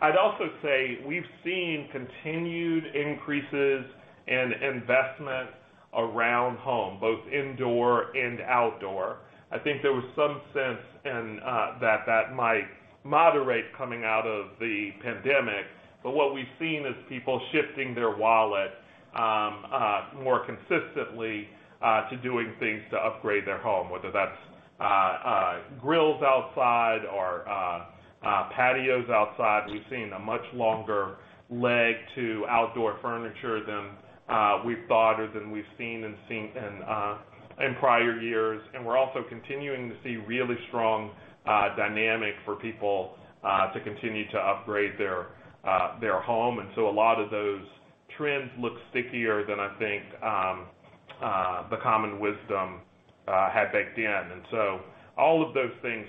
I'd also say we've seen continued increases in investment around home, both indoor and outdoor. I think there was some sense that might moderate coming out of the pandemic. But what we've seen is people shifting their wallet more consistently to doing things to upgrade their home, whether that's grills outside or patios outside. We've seen a much longer leg to outdoor furniture than we've thought or than we've seen in prior years. We're also continuing to see really strong dynamic for people to continue to upgrade their home. A lot of those trends look stickier than I think the common wisdom had baked in. All of those things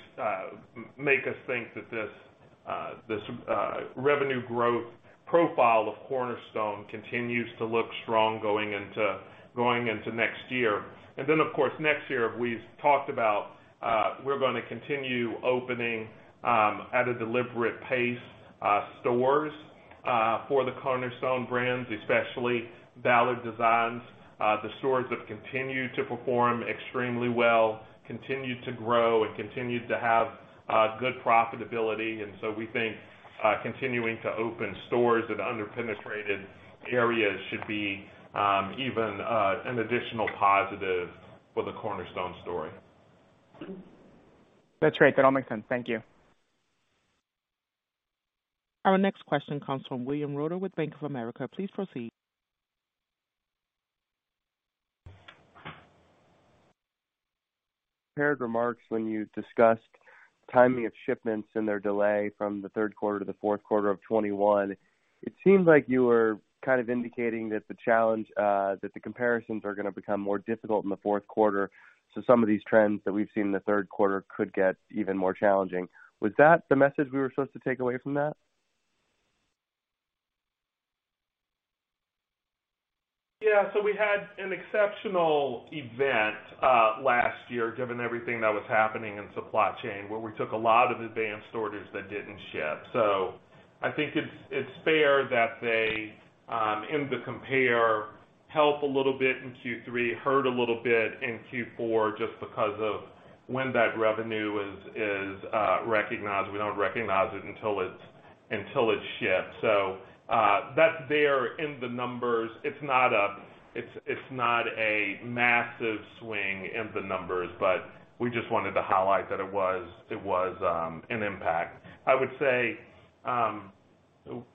make us think that this revenue growth profile of Cornerstone continues to look strong going into next year. Of course, next year, we've talked about, we're gonna continue opening at a deliberate pace stores for the Cornerstone brands, especially Ballard Designs. The stores have continued to perform extremely well, continued to grow and continued to have good profitability. We think continuing to open stores at under-penetrated areas should be even an additional positive for the Cornerstone story. That's right. That all makes sense. Thank you. Our next question comes from William Reuter with Bank of America. Please proceed. Prepared remarks when you discussed timing of shipments and their delay from the third quarter to the fourth quarter of 2021. It seemed like you were kind of indicating that the challenge, that the comparisons are gonna become more difficult in the fourth quarter. Some of these trends that we've seen in the third quarter could get even more challenging. Was that the message we were supposed to take away from that? Yeah. We had an exceptional event last year, given everything that was happening in supply chain, where we took a lot of advanced orders that didn't ship. I think it's fair that they in the compare help a little bit in Q3, hurt a little bit in Q4 just because of when that revenue is recognized. We don't recognize it until it's shipped. That's there in the numbers. It's not a massive swing in the numbers, but we just wanted to highlight that it was an impact. I would say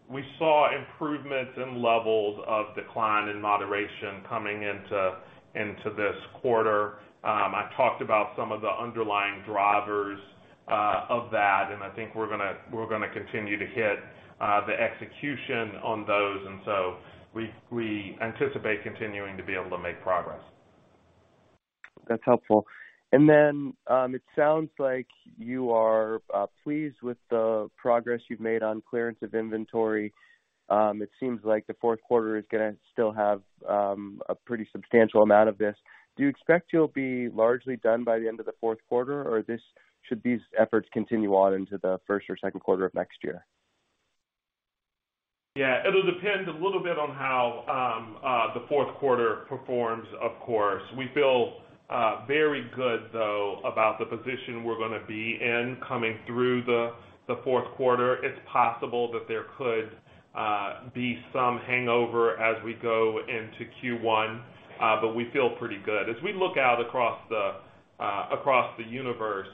we saw improvements in levels of decline in moderation coming into this quarter. I talked about some of the underlying drivers of that, and I think we're gonna continue to hit the execution on those. We anticipate continuing to be able to make progress. That's helpful. It sounds like you are pleased with the progress you've made on clearance of inventory. It seems like the fourth quarter is gonna still have a pretty substantial amount of this. Do you expect you'll be largely done by the end of the fourth quarter, or should these efforts continue on into the first or second quarter of next year? Yeah, it'll depend a little bit on how the fourth quarter performs, of course. We feel very good, though, about the position we're gonna be in coming through the fourth quarter. It's possible that there could be some hangover as we go into Q1, but we feel pretty good. As we look out across the universe,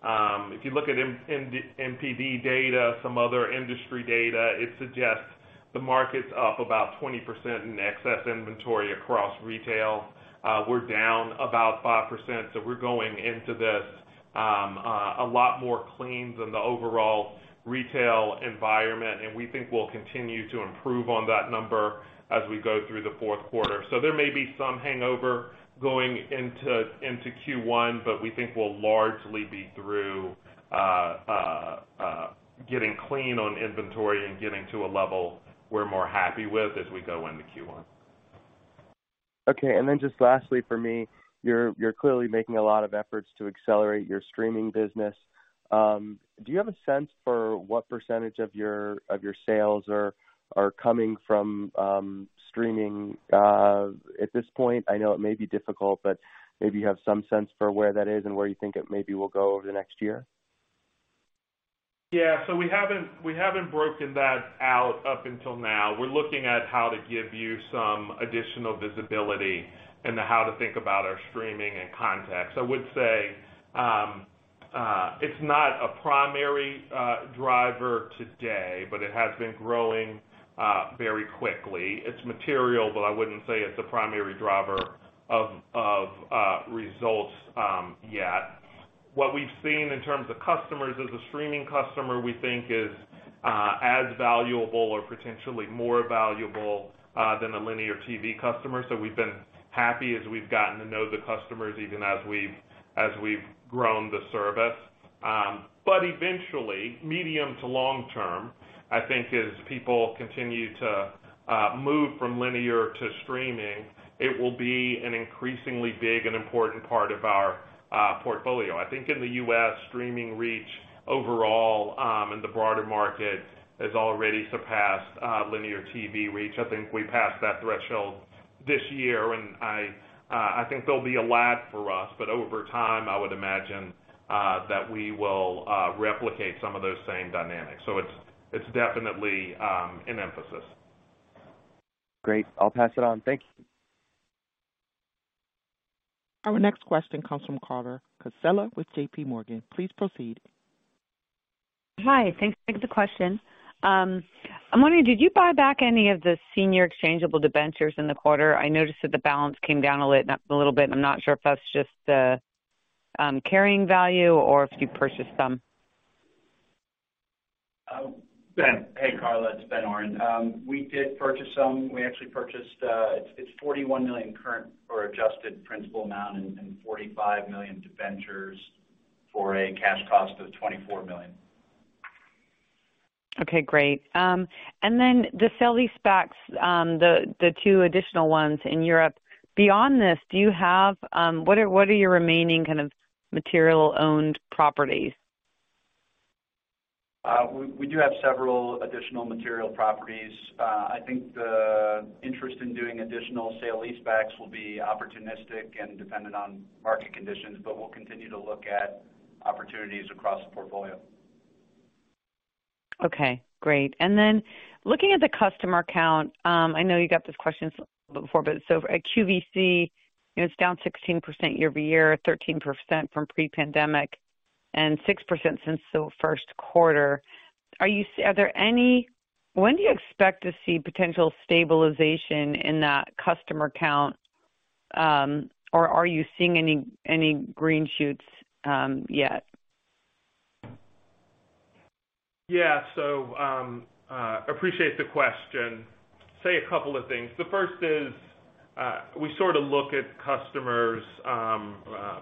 if you look at NPD data, some other industry data, it suggests the market's up about 20% in excess inventory across retail. We're down about 5%, so we're going into this a lot more clean than the overall retail environment, and we think we'll continue to improve on that number as we go through the fourth quarter. There may be some hangover going into Q1, but we think we'll largely be through getting clean on inventory and getting to a level we're more happy with as we go into Q1. Okay. Just lastly for me, you're clearly making a lot of efforts to accelerate your streaming business. Do you have a sense for what percentage of your sales are coming from streaming at this point? I know it may be difficult, but maybe you have some sense for where that is and where you think it maybe will go over the next year. Yeah. We haven't broken that out up until now. We're looking at how to give you some additional visibility into how to think about our streaming and content. I would say it's not a primary driver today, but it has been growing very quickly. It's material, but I wouldn't say it's a primary driver of results yet. What we've seen in terms of customers is a streaming customer we think is as valuable or potentially more valuable than a linear TV customer. We've been happy as we've gotten to know the customers, even as we've grown the service. But eventually, medium to long term, I think as people continue to move from linear to streaming, it will be an increasingly big and important part of our portfolio. I think in the U.S., streaming reach overall, in the broader market has already surpassed linear TV reach. I think we passed that threshold this year, and I think there'll be a lag for us. Over time, I would imagine that we will replicate some of those same dynamics. It's definitely an emphasis. Great. I'll pass it on. Thank you. Our next question comes from Carla Casella with JP Morgan. Please proceed. Hi. Thanks for taking the question. I'm wondering, did you buy back any of the senior exchangeable debentures in the quarter? I noticed that the balance came down a little bit, and I'm not sure if that's just the carrying value or if you purchased some. Ben. Hey, Carla, it's Ben Oren. We did purchase some. We actually purchased 41 million current or adjusted principal amount and 45 million debentures for a cash cost of $24 million. Okay, great. The sale-leasebacks, the two additional ones in Europe. Beyond this, what are your remaining kind of material owned properties? We do have several additional material properties. I think the interest in doing additional sale-leasebacks will be opportunistic and dependent on market conditions, but we'll continue to look at opportunities across the portfolio. Okay, great. Looking at the customer count, I know you got this question before, but so at QVC, you know, it's down 16% year-over-year, 13% from pre-pandemic, and 6% since the first quarter. When do you expect to see potential stabilization in that customer count, or are you seeing any green shoots yet? Yeah. Appreciate the question. Say a couple of things. The first is, we sort of look at customers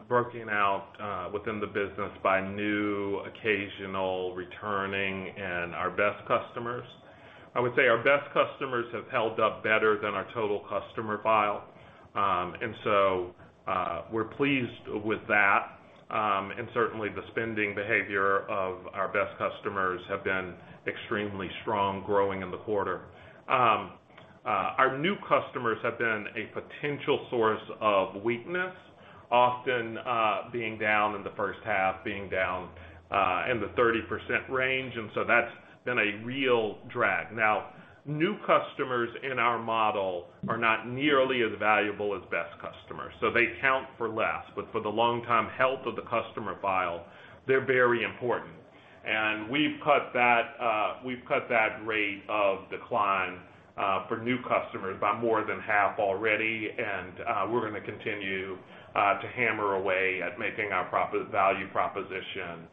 broken out within the business by new, occasional, returning, and our best customers. I would say our best customers have held up better than our total customer file. We're pleased with that. Certainly the spending behavior of our best customers have been extremely strong, growing in the quarter. Our new customers have been a potential source of weakness, often being down in the first half in the 30% range, and that's been a real drag. Now, new customers in our mind are not nearly as valuable as best customers, so they count for less. For the long time health of the customer file, they're very important. We've cut that rate of decline for new customers by more than half already. We're gonna continue to hammer away at making our price value proposition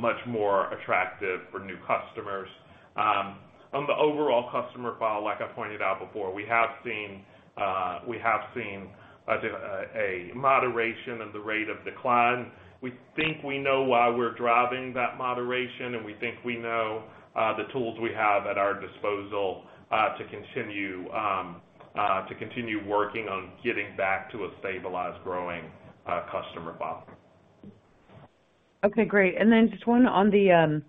much more attractive for new customers. On the overall customer file, like I pointed out before, we have seen a moderation of the rate of decline. We think we know why we're driving that moderation, and we think we know the tools we have at our disposal to continue working on getting back to a stabilized growing customer file. Okay, great. Just one on the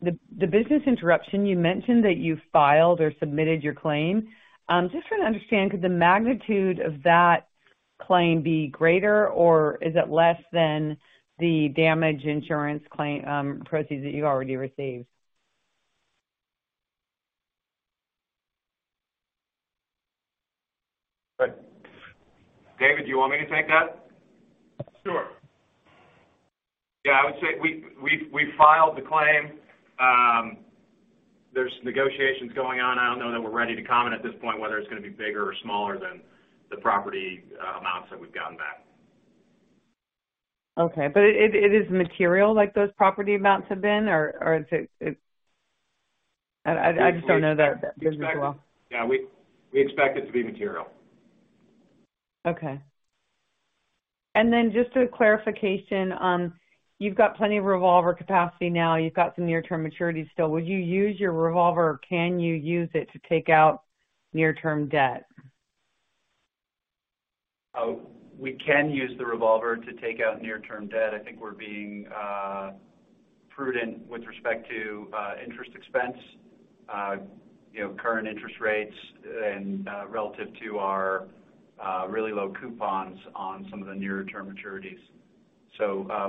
business interruption. You mentioned that you filed or submitted your claim. Just trying to understand, could the magnitude of that claim be greater or is it less than the damage insurance claim proceeds that you already received? David, do you want me to take that? Sure. Yeah. I would say we filed the claim. There's some negotiations going on. I don't know that we're ready to comment at this point, whether it's gonna be bigger or smaller than the property amounts that we've gotten back. It is material like those property amounts have been. I just don't know that business well. Yeah, we expect it to be material. Okay. Just a clarification. You've got plenty of revolver capacity now. You've got some near-term maturities still. Would you use your revolver or can you use it to take out near-term debt? We can use the revolver to take out near-term debt. I think we're being prudent with respect to interest expense, you know, current interest rates and relative to our really low coupons on some of the nearer term maturities.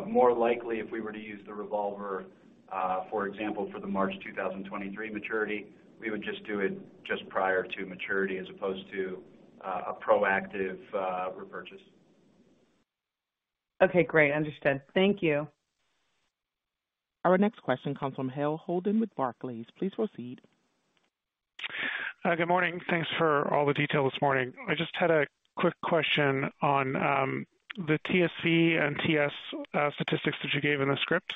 More likely if we were to use the revolver, for example, for the March 2023 maturity, we would just do it just prior to maturity as opposed to a proactive repurchase. Okay, great. Understood. Thank you. Our next question comes from Hale Holden with Barclays. Please proceed. Good morning. Thanks for all the detail this morning. I just had a quick question on the TSV and TS statistics that you gave in the script.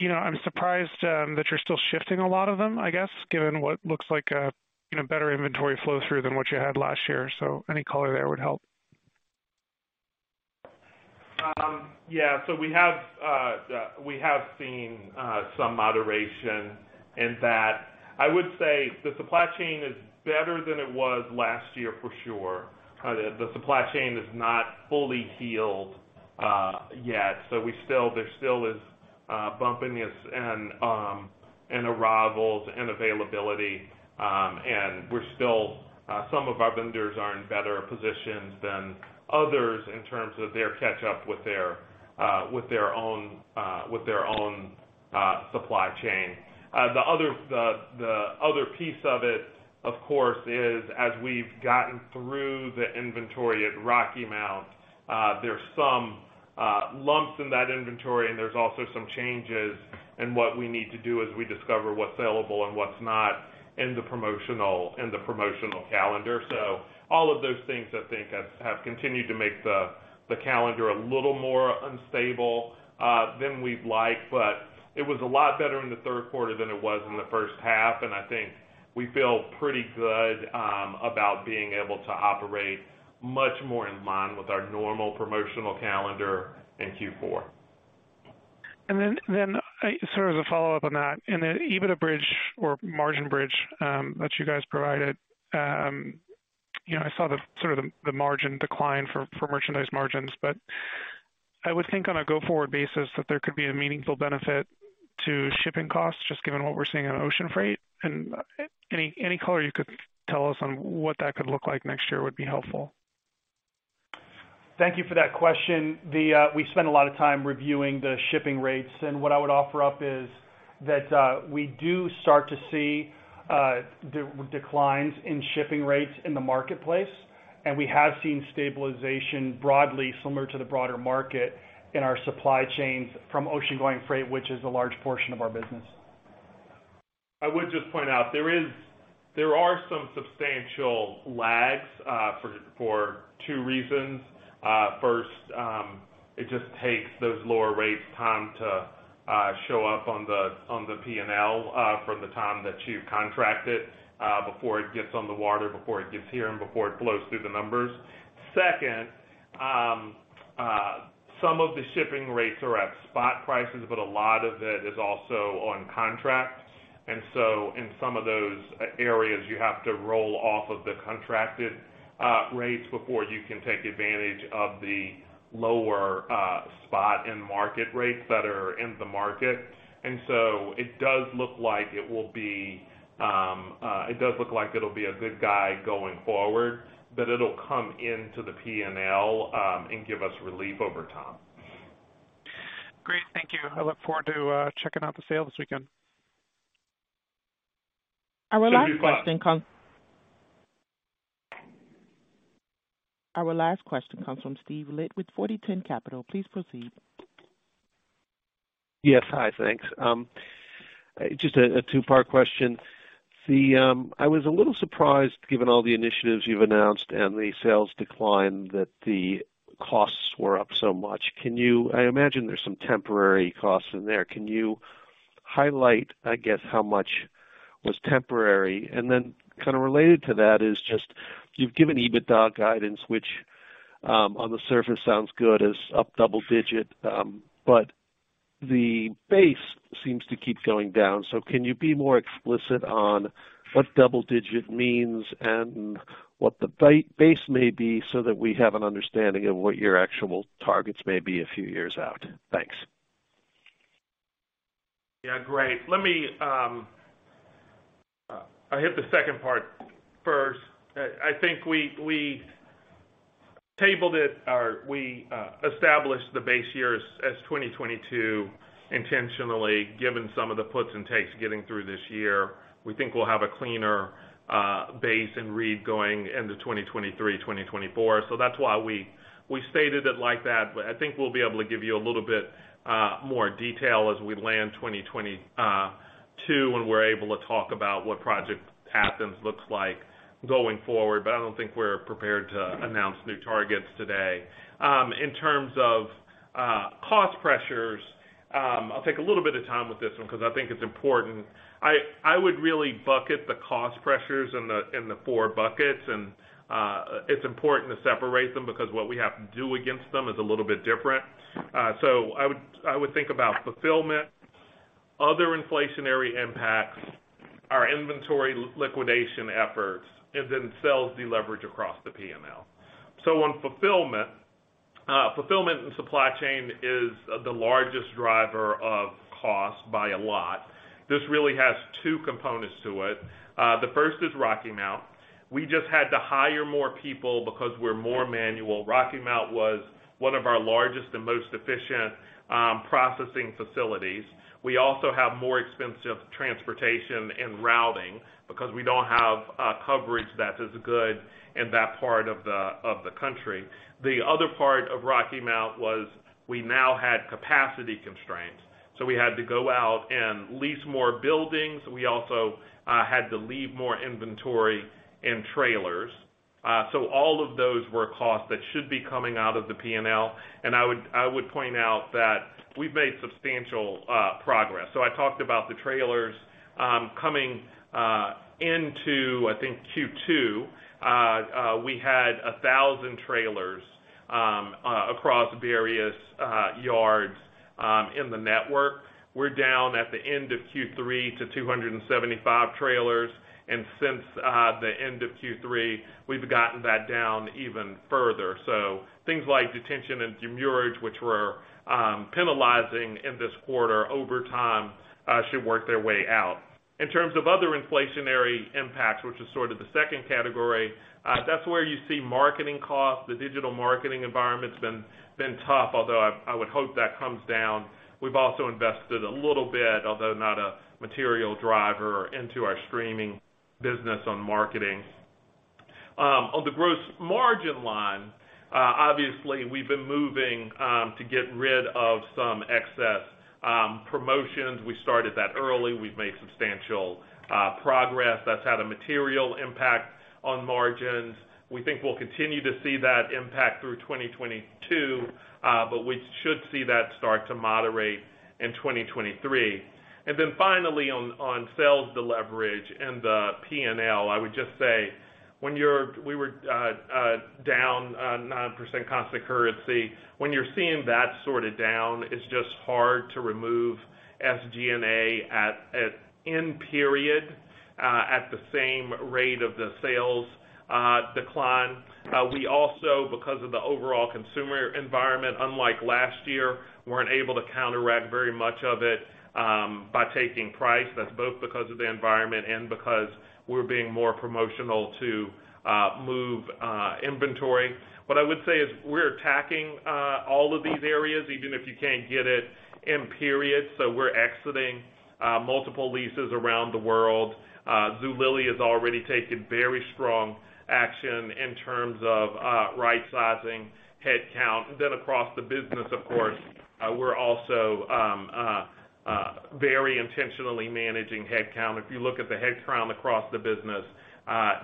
You know, I'm surprised that you're still shifting a lot of them, I guess, given what looks like a you know, better inventory flow through than what you had last year. Any color there would help. Yeah. We have seen some moderation in that. I would say the supply chain is better than it was last year for sure. The supply chain is not fully healed yet. There still is bumpiness and arrivals and availability. We're still, some of our vendors are in better positions than others in terms of their catch up with their own supply chain. The other piece of it, of course, is as we've gotten through the inventory at Rocky Mount, there's some lumps in that inventory, and there's also some changes. What we need to do is we discover what's sellable and what's not in the promotional calendar. All of those things I think have continued to make the calendar a little more unstable than we'd like. It was a lot better in the third quarter than it was in the first half, and I think we feel pretty good about being able to operate much more in line with our normal promotional calendar in Q4. Then sort of a follow-up on that. In the EBITDA bridge or margin bridge that you guys provided, you know, I saw the sort of margin decline for merchandise margins, but I would think on a go-forward basis that there could be a meaningful benefit to shipping costs just given what we're seeing on ocean freight. Any color you could tell us on what that could look like next year would be helpful. Thank you for that question. We spend a lot of time reviewing the shipping rates, and what I would offer up is that we do start to see declines in shipping rates in the marketplace. We have seen stabilization broadly similar to the broader market in our supply chains from ocean-going freight, which is a large portion of our business. I would just point out there are some substantial lags for two reasons. First, it just takes those lower rates time to show up on the P&L from the time that you contract it before it gets on the water, before it gets here, and before it flows through the numbers. Second, some of the shipping rates are at spot prices, but a lot of it is also on contract. In some of those areas, you have to roll off of the contracted rates before you can take advantage of the lower spot and market rates that are in the market. It does look like it'll be a good guide going forward, but it'll come into the P&L and give us relief over time. Thank you. I look forward to checking out the sale this weekend. Our last question comes. Thank you. Bye. Our last question comes from Steve Litt with 4010 Capital. Please proceed. Yes. Hi. Thanks. Just a two-part question. I was a little surprised, given all the initiatives you've announced and the sales decline, that the costs were up so much. I imagine there's some temporary costs in there. Can you highlight, I guess, how much was temporary? Then kind of related to that is just you've given EBITDA guidance, which on the surface sounds good as up double digit, but the base seems to keep going down. Can you be more explicit on what double digit means and what the base may be so that we have an understanding of what your actual targets may be a few years out? Thanks. Yeah. Great. Let me hit the second part first. I think we tabled it, or we established the base year as 2022 intentionally, given some of the puts and takes getting through this year. We think we'll have a cleaner base and read going into 2023, 2024. That's why we stated it like that. I think we'll be able to give you a little bit more detail as we land 2022 when we're able to talk about what Project Athens looks like going forward. I don't think we're prepared to announce new targets today. In terms of cost pressures, I'll take a little bit of time with this one because I think it's important. I would really bucket the cost pressures in the four buckets and it's important to separate them because what we have to do against them is a little bit different. I would think about fulfillment, other inflationary impacts, our inventory liquidation efforts, and then sales deleverage across the P&L. On fulfillment and supply chain is the largest driver of cost by a lot. This really has two components to it. The first is Rocky Mount. We just had to hire more people because we're more manual. Rocky Mount was one of our largest and most efficient processing facilities. We also have more expensive transportation and routing because we don't have coverage that is good in that part of the country. The other part of Rocky Mount was we now had capacity constraints, so we had to go out and lease more buildings. We also had to leave more inventory in trailers. So all of those were costs that should be coming out of the P&L. I would point out that we've made substantial progress. I talked about the trailers coming into, I think, Q2. We had 1,000 trailers across various yards in the network. We're down at the end of Q3 to 275 trailers. Since the end of Q3, we've gotten that down even further. Things like detention and demurrage, which were penalizing in this quarter over time, should work their way out. In terms of other inflationary impacts, which is sort of the second category, that's where you see marketing costs. The digital marketing environment's been tough, although I would hope that comes down. We've also invested a little bit, although not a material driver, into our streaming business on marketing. On the gross margin line, obviously, we've been moving to get rid of some excess promotions. We started that early. We've made substantial progress. That's had a material impact on margins. We think we'll continue to see that impact through 2022, but we should see that start to moderate in 2023. Then finally on sales deleverage and the P&L, I would just say we were down 9% constant currency. When you're seeing that sort of down, it's just hard to remove SG&A at in period at the same rate of the sales decline. We also, because of the overall consumer environment, unlike last year, weren't able to counteract very much of it by taking price. That's both because of the environment and because we're being more promotional to move inventory. What I would say is we're attacking all of these areas, even if you can't get it in period. We're exiting multiple leases around the world. Zulily has already taken very strong action in terms of right sizing headcount. Across the business, of course, we're also very intentionally managing headcount. If you look at the headcount across the business,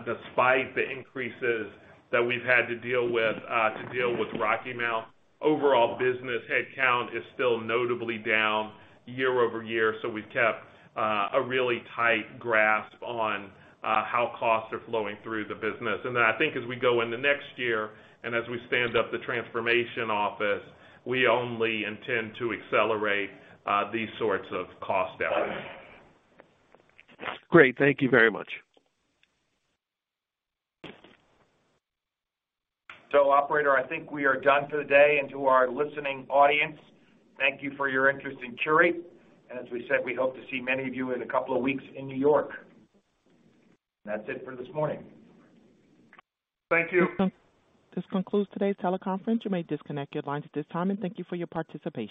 despite the increases that we've had to deal with Rocky Mount, overall business headcount is still notably down year-over-year. We've kept a really tight grasp on how costs are flowing through the business. I think as we go in the next year, and as we stand up the transformation office, we only intend to accelerate these sorts of cost efforts. Great. Thank you very much. Operator, I think we are done for the day. To our listening audience, thank you for your interest in Qurate. As we said, we hope to see many of you in a couple of weeks in New York. That's it for this morning. Thank you. This concludes today's teleconference. You may disconnect your lines at this time and thank you for your participation.